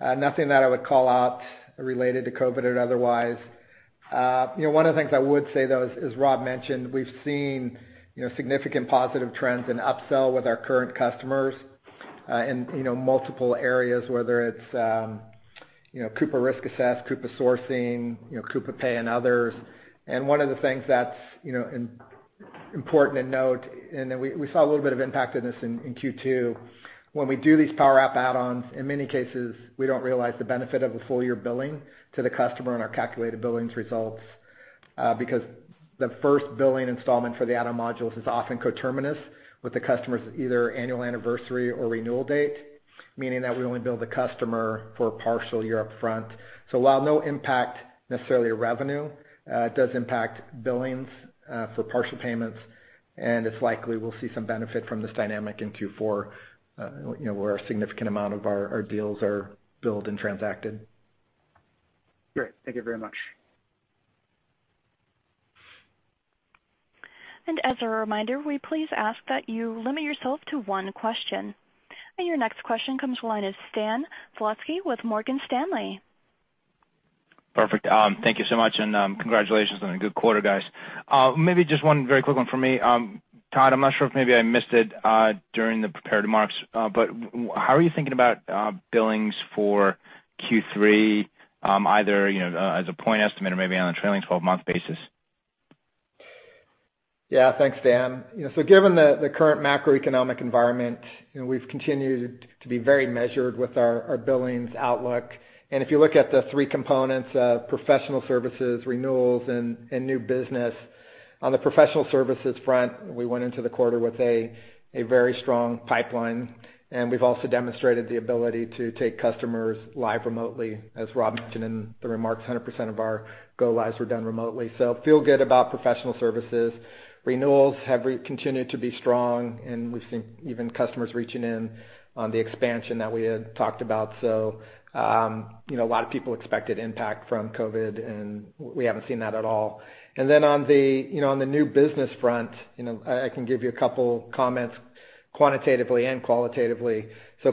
Nothing that I would call out related to COVID or otherwise. One of the things I would say, though, as Rob mentioned, we've seen significant positive trends in upsell with our current customers. In multiple areas, whether it's Coupa Risk Assess, Coupa Sourcing, Coupa Pay and others. One of the things that's important to note, and that we saw a little bit of impact in this in Q2. When we do these power up add-ons, in many cases, we don't realize the benefit of a full year billing to the customer on our calculated billings results. Because the first billing installment for the add-on modules is often coterminous with the customer's either annual anniversary or renewal date, meaning that we only bill the customer for a partial year up front. While no impact necessarily to revenue, it does impact billings for partial payments, and it's likely we'll see some benefit from this dynamic in Q4, where a significant amount of our deals are billed and transacted. Great. Thank you very much. As a reminder, we please ask that you limit yourself to one question. your next question comes the line of Stan Zlotsky with Morgan Stanley. Perfect. Thank you so much, and congratulations on a good quarter, guys. Maybe just one very quick one for me. Todd, I'm not sure if maybe I missed it during the prepared remarks, but how are you thinking about billings for Q3, either as a point estimate or maybe on a trailing 12-month basis? Yeah. Thanks, Stan. Given the current macroeconomic environment, we've continued to be very measured with our billings outlook. If you look at the three components of professional services, renewals, and new business, on the professional services front, we went into the quarter with a very strong pipeline, and we've also demonstrated the ability to take customers live remotely. As Rob mentioned in the remarks, 100% of our go lives were done remotely. Feel good about professional services. Renewals have continued to be strong, and we've seen even customers reaching in on the expansion that we had talked about. A lot of people expected impact from COVID, and we haven't seen that at all. On the new business front, I can give you a couple comments quantitatively and qualitatively.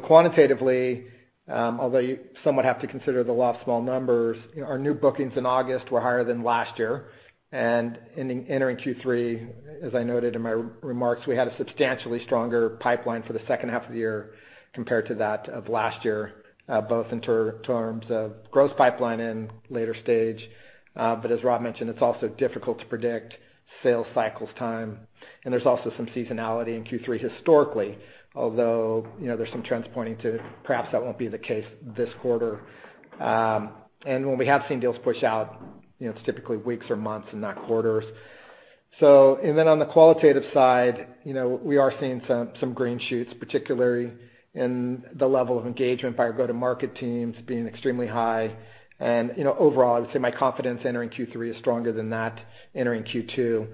Quantitatively, although you somewhat have to consider the law of small numbers, our new bookings in August were higher than last year. Entering Q3, as I noted in my remarks, we had a substantially stronger pipeline for the second half of the year compared to that of last year, both in terms of gross pipeline and later stage. As Rob mentioned, it's also difficult to predict sales cycles time, and there's also some seasonality in Q3 historically, although there's some trends pointing to perhaps that won't be the case this quarter. When we have seen deals push out, it's typically weeks or months and not quarters. On the qualitative side, we are seeing some green shoots, particularly in the level of engagement by our go-to-market teams being extremely high. Overall, I would say my confidence entering Q3 is stronger than that entering Q2.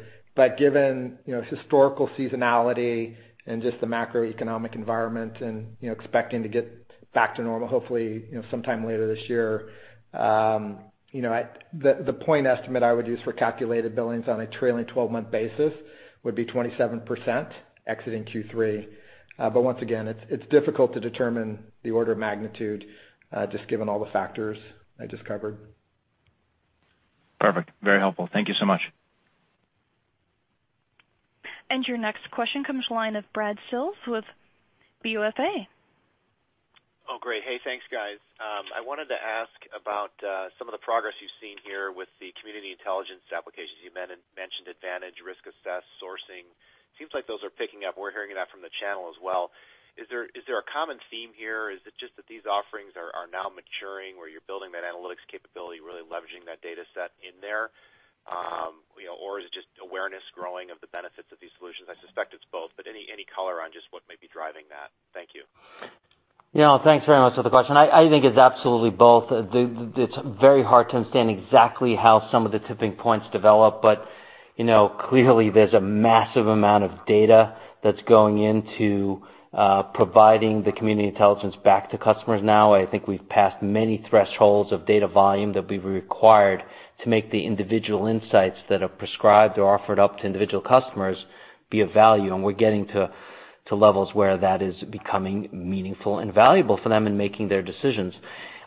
Given historical seasonality and just the macroeconomic environment and expecting to get back to normal, hopefully sometime later this year. The point estimate I would use for calculated billings on a trailing 12-month basis would be 27% exiting Q3. Once again, it's difficult to determine the order of magnitude, just given all the factors I just covered. Perfect. Very helpful. Thank you so much. Your next question comes to line of Brad Sills with BofA. Oh, great. Hey, thanks, guys. I wanted to ask about some of the progress you've seen here with the community intelligence applications. You mentioned Advantage, Risk Assess, Sourcing. Seems like those are picking up. We're hearing that from the channel as well. Is there a common theme here? Is it just that these offerings are now maturing, where you're building that analytics capability, really leveraging that data set in there? Or is it just awareness growing of the benefits of these solutions? I suspect it's both, but any color on just what may be driving that? Thank you. Yeah. Thanks very much for the question. I think it's absolutely both. It's very hard to understand exactly how some of the tipping points develop. Clearly there's a massive amount of data that's going into providing the community intelligence back to customers now. I think we've passed many thresholds of data volume that we required to make the individual insights that are prescribed or offered up to individual customers be of value, and we're getting to levels where that is becoming meaningful and valuable for them in making their decisions.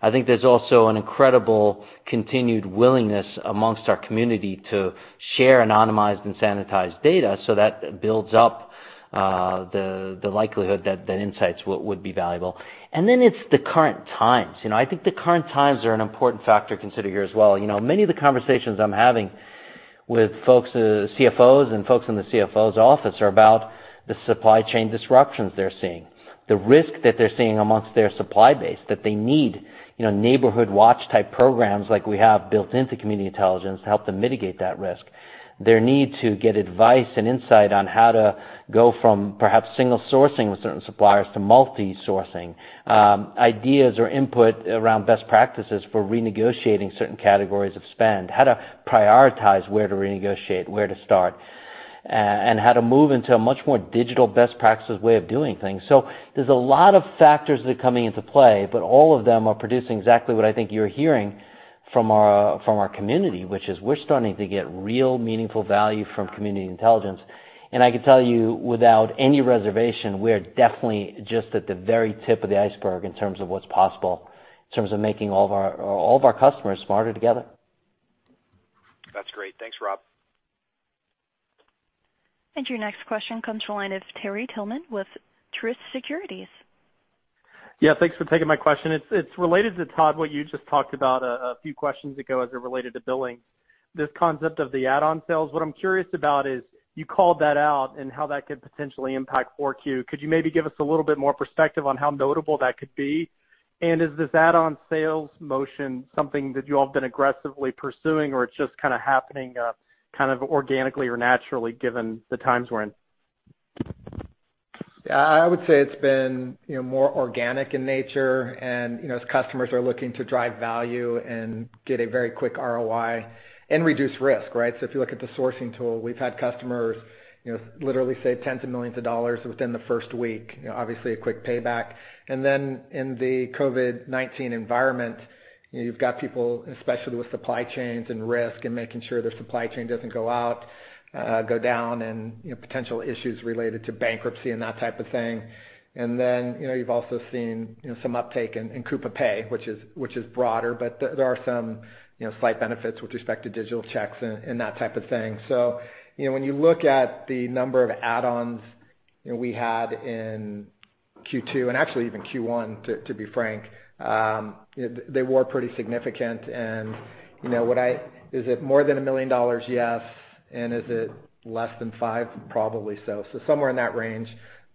I think there's also an incredible continued willingness amongst our community to share anonymized and sanitized data, so that builds up the likelihood that insights would be valuable. Then it's the current times. I think the current times are an important factor to consider here as well. Many of the conversations I'm having with CFOs and folks in the CFO's office are about the supply chain disruptions they're seeing, the risk that they're seeing amongst their supply base, that they need neighborhood watch type programs like we have built into community intelligence to help them mitigate that risk. Their need to get advice and insight on how to go from perhaps single sourcing with certain suppliers to multi-sourcing. Ideas or input around best practices for renegotiating certain categories of spend, how to prioritize where to renegotiate, where to start, and how to move into a much more digital best practices way of doing things. There's a lot of factors that are coming into play, but all of them are producing exactly what I think you're hearing from our community, which is we're starting to get real meaningful value from community intelligence. I can tell you, without any reservation, we are definitely just at the very tip of the iceberg in terms of what's possible, in terms of making all of our customers smarter together. That's great. Thanks, Rob. Your next question comes to the line of Terry Tillman with Truist Securities. Yeah, thanks for taking my question. It's related to Todd, what you just talked about a few questions ago as it related to billing. This concept of the add-on sales, what I'm curious about is you called that out and how that could potentially impact 4Q. Could you maybe give us a little bit more perspective on how notable that could be? is this add-on sales motion something that you all have been aggressively pursuing, or it's just kind of happening organically or naturally given the times we're in? I would say it's been more organic in nature as customers are looking to drive value and get a very quick ROI and reduce risk, right? If you look at the sourcing tool, we've had customers literally save tens of millions of dollars within the first week. Obviously, a quick payback. In the COVID-19 environment, you've got people, especially with supply chains and risk and making sure their supply chain doesn't go out, go down, and potential issues related to bankruptcy and that type of thing. You've also seen some uptake in Coupa Pay, which is broader. There are some slight benefits with respect to digital checks and that type of thing. When you look at the number of add-ons we had in Q2, and actually even Q1, to be frank, they were pretty significant. Is it more than $1 million? Yes. Is it less than $5? Probably so. Somewhere in that range.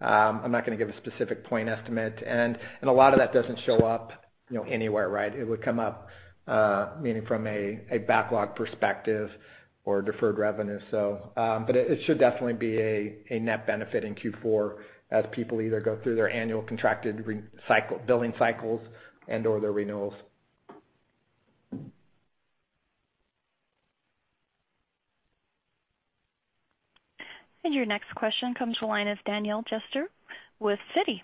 I'm not going to give a specific point estimate. A lot of that doesn't show up anywhere, right? It would come up, meaning from a backlog perspective or deferred revenue. It should definitely be a net benefit in Q4 as people either go through their annual contracted billing cycles and/or their renewals. Your next question comes to the line of Daniel Jester with Citi.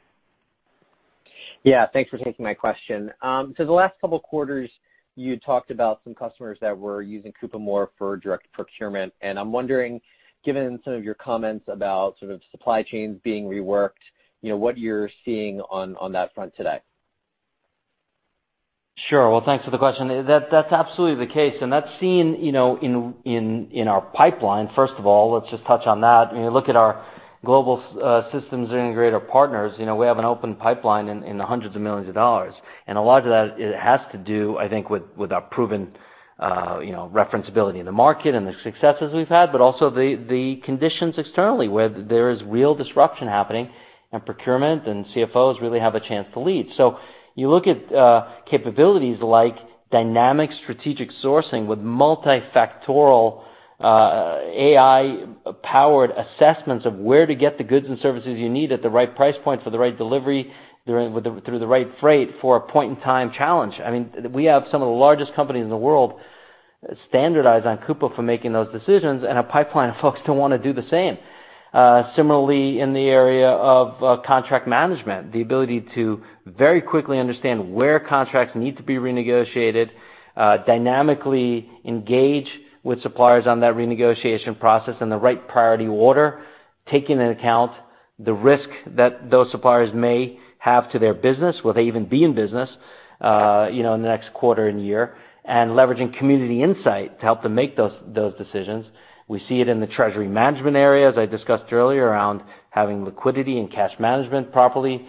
Yeah, thanks for taking my question. The last couple of quarters, you talked about some customers that were using Coupa more for direct procurement, and I'm wondering, given some of your comments about sort of supply chains being reworked, what you're seeing on that front today. Sure. Well, thanks for the question. That's absolutely the case, that's seen in our pipeline, first of all. Let's just touch on that. Look at our global systems integrator partners. We have an open pipeline in the hundreds of millions of dollars, a lot of that has to do, I think, with our proven referenceability in the market and the successes we've had, but also the conditions externally, where there is real disruption happening and procurement and CFOs really have a chance to lead. You look at capabilities like dynamic strategic sourcing with multi-factorial AI-powered assessments of where to get the goods and services you need at the right price point for the right delivery through the right freight for a point-in-time challenge. We have some of the largest companies in the world standardized on Coupa for making those decisions and a pipeline of folks who want to do the same. Similarly, in the area of contract management, the ability to very quickly understand where contracts need to be renegotiated, dynamically engage with suppliers on that renegotiation process in the right priority order, taking into account the risk that those suppliers may have to their business, will they even be in business in the next quarter and year, and leveraging community insight to help them make those decisions. We see it in the treasury management area, as I discussed earlier, around having liquidity and cash management properly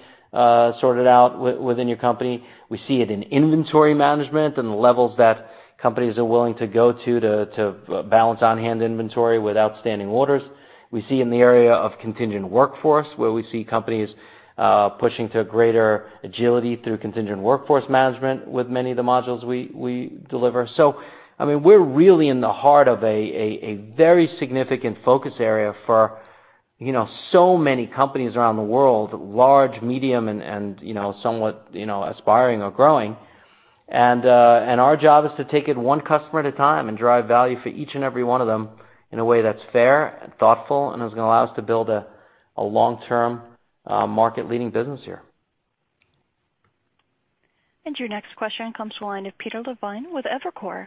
sorted out within your company. We see it in inventory management and the levels that companies are willing to go to to balance on-hand inventory with outstanding orders. We see in the area of contingent workforce, where we see companies pushing to greater agility through contingent workforce management with many of the modules we deliver. We're really in the heart of a very significant focus area for so many companies around the world, large, medium, and somewhat aspiring or growing. Our job is to take it one customer at a time and drive value for each and every one of them in a way that's fair and thoughtful and is going to allow us to build a long-term, market-leading business here. Your next question comes to the line of Peter Levine with Evercore.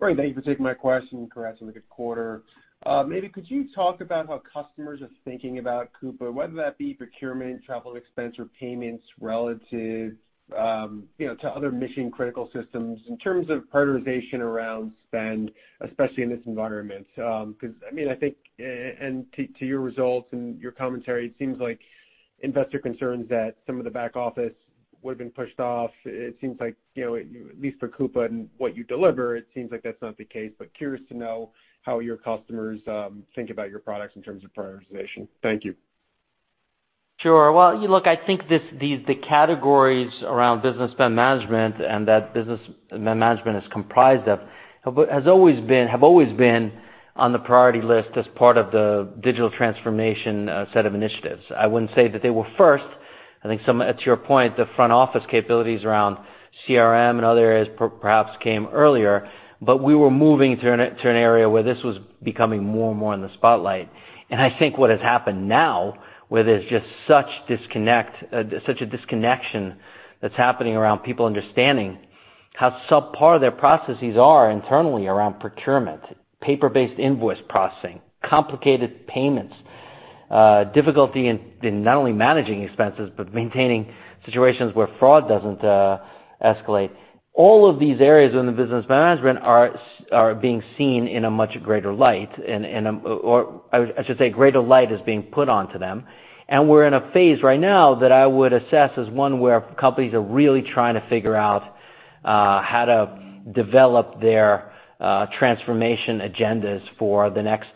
Great. Thank you for taking my question. Congrats on the good quarter. Maybe could you talk about how customers are thinking about Coupa, whether that be procurement, travel, expense, or payments relative to other mission-critical systems in terms of prioritization around spend, especially in this environment? I think, and to your results and your commentary, it seems like investor concerns that some of the back office would've been pushed off. It seems like, at least for Coupa and what you deliver, it seems like that's not the case. Curious to know how your customers think about your products in terms of prioritization. Thank you. Sure. Well, look, I think the categories around business spend management and that business management is comprised of, have always been on the priority list as part of the digital transformation set of initiatives. I wouldn't say that they were first. I think some, to your point, the front-office capabilities around CRM and other areas perhaps came earlier. We were moving to an area where this was becoming more and more in the spotlight. I think what has happened now, where there's just such a disconnection that's happening around people understanding how subpar their processes are internally around procurement, paper-based invoice processing, complicated payments Difficulty in not only managing expenses, but maintaining situations where fraud doesn't escalate. All of these areas in the business management are being seen in a much greater light, or I should say, greater light is being put onto them. We're in a phase right now that I would assess as one where companies are really trying to figure out how to develop their transformation agendas for the next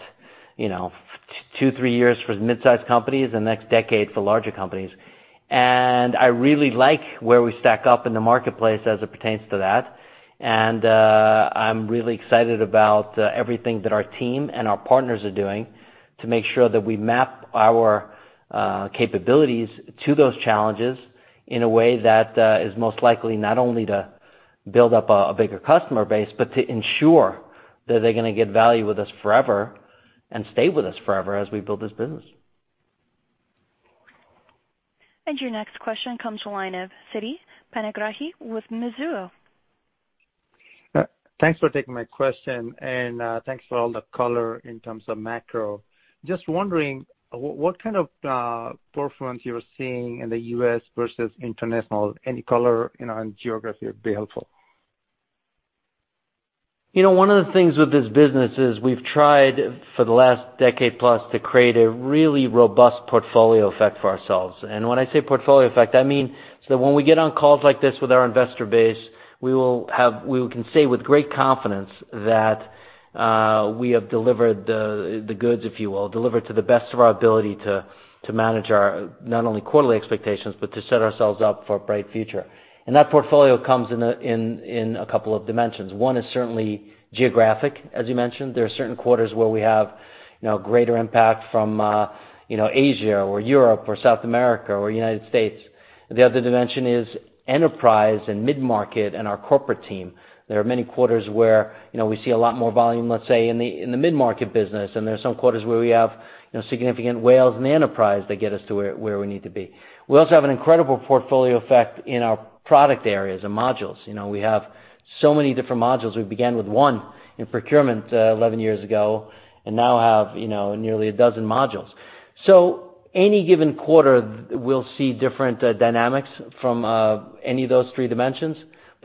two, three years for the mid-size companies, the next decade for larger companies. I really like where we stack up in the marketplace as it pertains to that. I'm really excited about everything that our team and our partners are doing to make sure that we map our capabilities to those challenges in a way that is most likely not only to build up a bigger customer base, but to ensure that they're going to get value with us forever and stay with us forever as we build this business. Your next question comes to line of Siti Panigrahi with Mizuho. Thanks for taking my question, and thanks for all the color in terms of macro. Just wondering what kind of performance you're seeing in the U.S. versus international. Any color on geography would be helpful. One of the things with this business is we've tried for the last decade plus to create a really robust portfolio effect for ourselves. When I say portfolio effect, I mean that when we get on calls like this with our investor base, we can say with great confidence that we have delivered the goods, if you will, delivered to the best of our ability to manage our not only quarterly expectations, but to set ourselves up for a bright future. That portfolio comes in a couple of dimensions. One is certainly geographic, as you mentioned. There are certain quarters where we have greater impact from Asia or Europe or South America or United States. The other dimension is enterprise and mid-market and our corporate team. There are many quarters where we see a lot more volume, let's say, in the mid-market business, and there are some quarters where we have significant whales in the enterprise that get us to where we need to be. We also have an incredible portfolio effect in our product areas and modules. We have so many different modules. We began with one in procurement 11 years ago and now have nearly a dozen modules. Any given quarter, we'll see different dynamics from any of those three dimensions.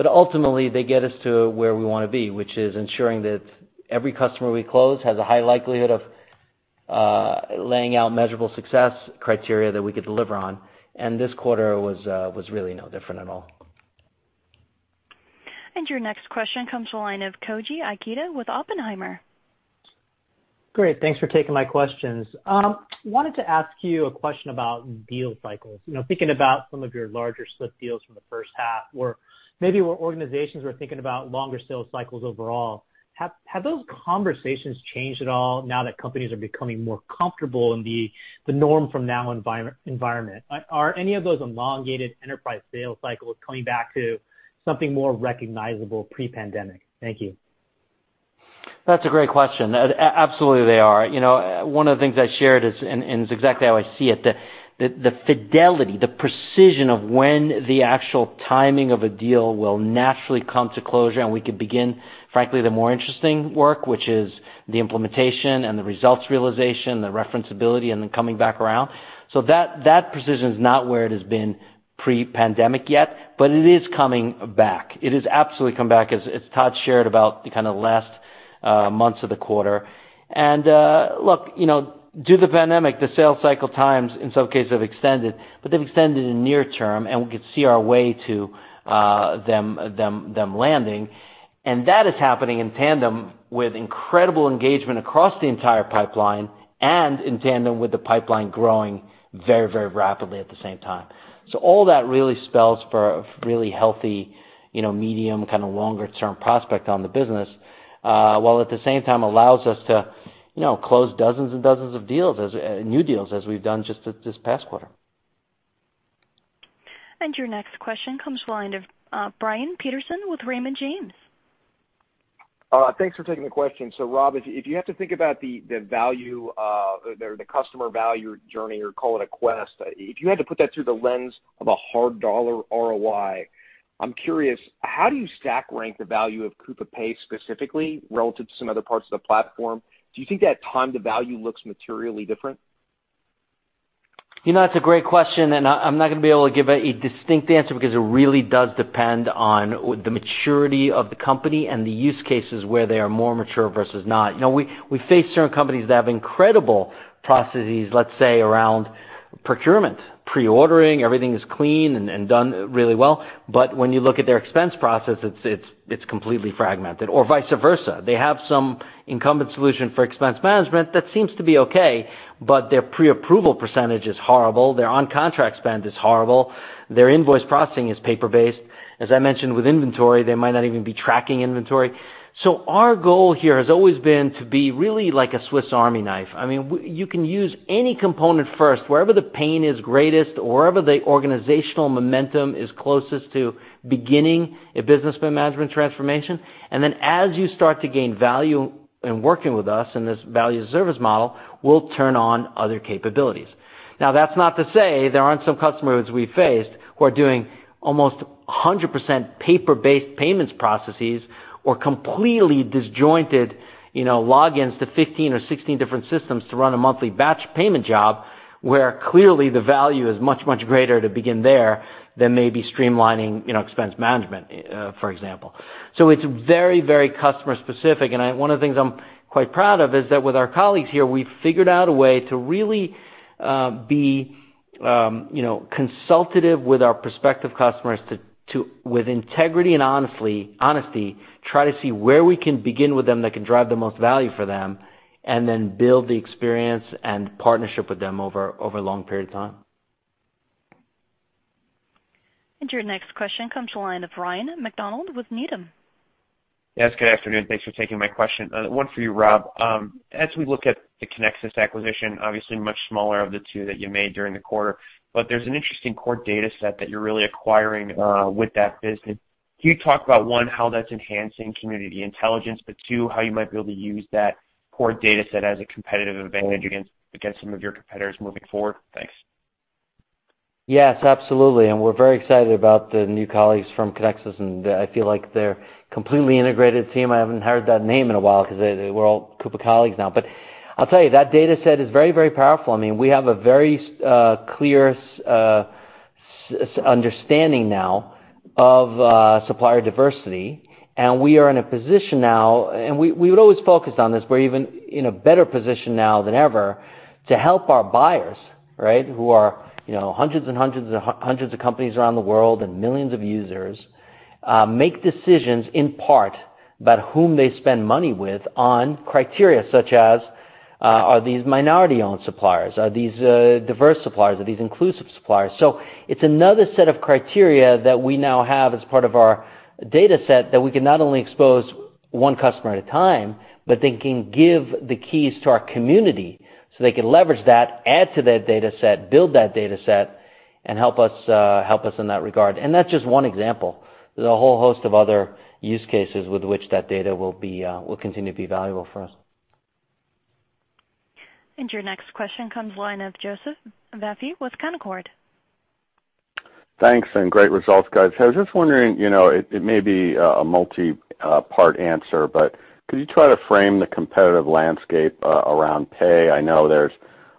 Ultimately, they get us to where we want to be, which is ensuring that every customer we close has a high likelihood of laying out measurable success criteria that we could deliver on. This quarter was really no different at all. Your next question comes to the line of Koji Ikeda with Oppenheimer. Great. Thanks for taking my questions. Wanted to ask you a question about deal cycles. Thinking about some of your larger slipped deals from the first half, or maybe where organizations were thinking about longer sales cycles overall, have those conversations changed at all now that companies are becoming more comfortable in the norm from now environment? Are any of those elongated enterprise sales cycles coming back to something more recognizable pre-pandemic? Thank you. That's a great question. Absolutely, they are. One of the things I shared is, and it's exactly how I see it, the fidelity, the precision of when the actual timing of a deal will naturally come to closure, and we could begin, frankly, the more interesting work, which is the implementation and the results realization, the reference ability, and then coming back around. That precision is not where it has been pre-pandemic yet, but it is coming back. It has absolutely come back, as Todd shared about the last months of the quarter. Look, due to the pandemic, the sales cycle times, in some cases, have extended, but they've extended in near term, and we could see our way to them landing. That is happening in tandem with incredible engagement across the entire pipeline and in tandem with the pipeline growing very rapidly at the same time. All that really spells for a really healthy medium, kind of longer-term prospect on the business, while at the same time allows us to close dozens and dozens of new deals as we've done just this past quarter. Your next question comes line of Brian Peterson with Raymond James. Thanks for taking the question. Rob, if you have to think about the customer value journey, or call it a quest, if you had to put that through the lens of a hard dollar ROI, I'm curious, how do you stack rank the value of Coupa Pay specifically relative to some other parts of the platform? Do you think that time to value looks materially different? That's a great question, and I'm not going to be able to give a distinct answer because it really does depend on the maturity of the company and the use cases where they are more mature versus not. We face certain companies that have incredible processes, let's say, around procurement. Pre-ordering, everything is clean and done really well. When you look at their expense process, it's completely fragmented or vice versa. They have some incumbent solution for expense management that seems to be okay, but their pre-approval percentage is horrible. Their on-contract spend is horrible. Their invoice processing is paper-based. As I mentioned with inventory, they might not even be tracking inventory. Our goal here has always been to be really like a Swiss army knife. You can use any component first, wherever the pain is greatest or wherever the organizational momentum is closest to beginning a business management transformation. Then as you start to gain value in working with us in this value as a service model, we'll turn on other capabilities. Now that's not to say there aren't some customers we faced who are doing almost 100% paper-based payments processes or completely disjointed logins to 15 or 16 different systems to run a monthly batch payment job, where clearly the value is much, much greater to begin there than maybe streamlining expense management, for example. It's very customer specific. One of the things I'm quite proud of is that with our colleagues here, we've figured out a way to really be consultative with our prospective customers to, with integrity and honesty, try to see where we can begin with them that can drive the most value for them, and then build the experience and partnership with them over a long period of time. Your next question comes to the line of Ryan MacDonald with Needham. Yes. Good afternoon. Thanks for taking my question. One for you, Rob. As we look at the ConnXus acquisition, obviously much smaller of the two that you made during the quarter, but there's an interesting core data set that you're really acquiring with that business. Can you talk about, one, how that's enhancing community intelligence, but two, how you might be able to use that core data set as a competitive advantage against some of your competitors moving forward? Thanks. Yes, absolutely, we're very excited about the new colleagues from ConnXus, and I feel like they're completely integrated team. I haven't heard that name in a while because they're all Coupa colleagues now. I'll tell you, that data set is very powerful. We have a very clear understanding now of supplier diversity, and we are in a position now, and we would always focus on this, we're even in a better position now than ever to help our buyers, who are hundreds and hundreds of companies around the world and millions of users, make decisions in part about whom they spend money with on criteria such as, are these minority-owned suppliers? Are these diverse suppliers? Are these inclusive suppliers? It's another set of criteria that we now have as part of our data set that we can not only expose one customer at a time, but they can give the keys to our community so they can leverage that, add to that data set, build that data set, and help us in that regard. That's just one example. There's a whole host of other use cases with which that data will continue to be valuable for us. your next question comes line of Joseph Vafi with Canaccord. Thanks, and great results, guys. I was just wondering, it may be a multi-part answer, but could you try to frame the competitive landscape around pay? I know there's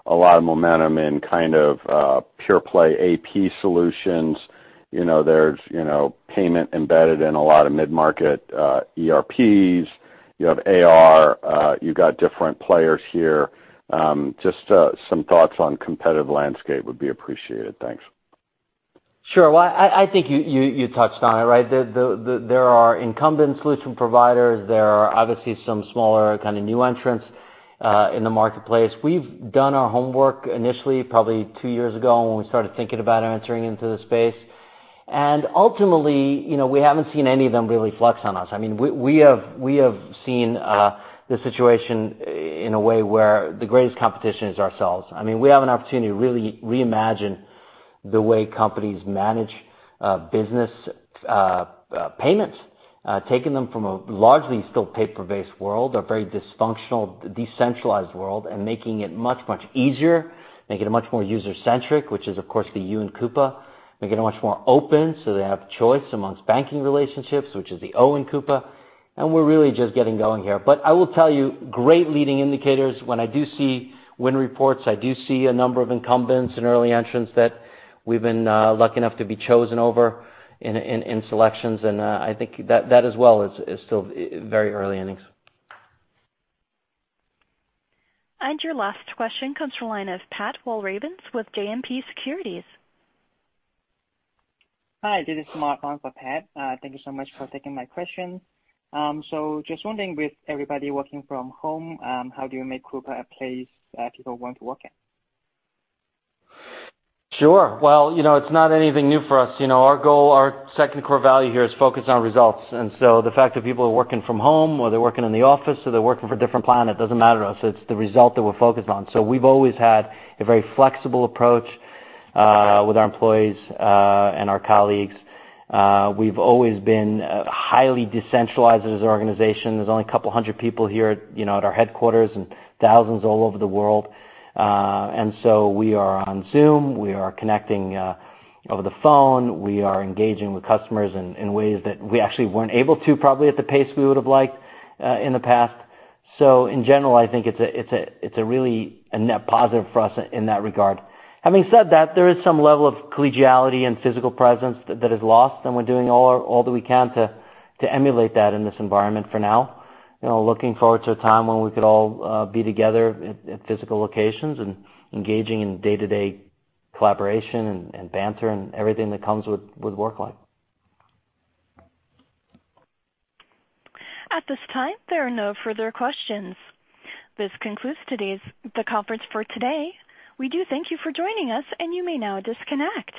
a lot of momentum in kind of pure play AP solutions. There's payment embedded in a lot of mid-market ERPs. You have AR. You got different players here. Just some thoughts on competitive landscape would be appreciated. Thanks. Sure. Well, I think you touched on it. There are incumbent solution providers. There are obviously some smaller kind of new entrants in the marketplace. We've done our homework initially, probably two years ago, when we started thinking about entering into the space. Ultimately, we haven't seen any of them really flex on us. We have seen the situation in a way where the greatest competition is ourselves. We have an opportunity to really reimagine the way companies manage business payments. Taking them from a largely still paper-based world, a very dysfunctional, decentralized world, and making it much easier, making it much more user-centric, which is, of course, the U in Coupa, making it much more open, so they have choice amongst banking relationships, which is the O in Coupa, and we're really just getting going here. I will tell you, great leading indicators. When I do see win reports, I do see a number of incumbents and early entrants that we've been lucky enough to be chosen over in selections, and I think that as well is still very early innings. Your last question comes from the line of Pat Walravens with JMP Securities. Hi, this is Mark, on for Pat. Thank you so much for taking my question. just wondering, with everybody working from home, how do you make Coupa a place people want to work at? Sure. Well, it's not anything new for us. Our goal, our second core value here is focused on results, and so the fact that people are working from home or they're working in the office or they're working from a different planet doesn't matter to us. It's the result that we're focused on. We've always had a very flexible approach with our employees and our colleagues. We've always been highly decentralized as an organization. There's only a couple of hundred people here at our headquarters and thousands all over the world. We are on Zoom. We are connecting over the phone. We are engaging with customers in ways that we actually weren't able to probably at the pace we would have liked in the past. In general, I think it's a really a net positive for us in that regard. Having said that, there is some level of collegiality and physical presence that is lost, and we're doing all that we can to emulate that in this environment for now. Looking forward to a time when we could all be together at physical locations and engaging in day-to-day collaboration and banter and everything that comes with work life. At this time, there are no further questions. This concludes the conference for today. We do thank you for joining us, and you may now disconnect.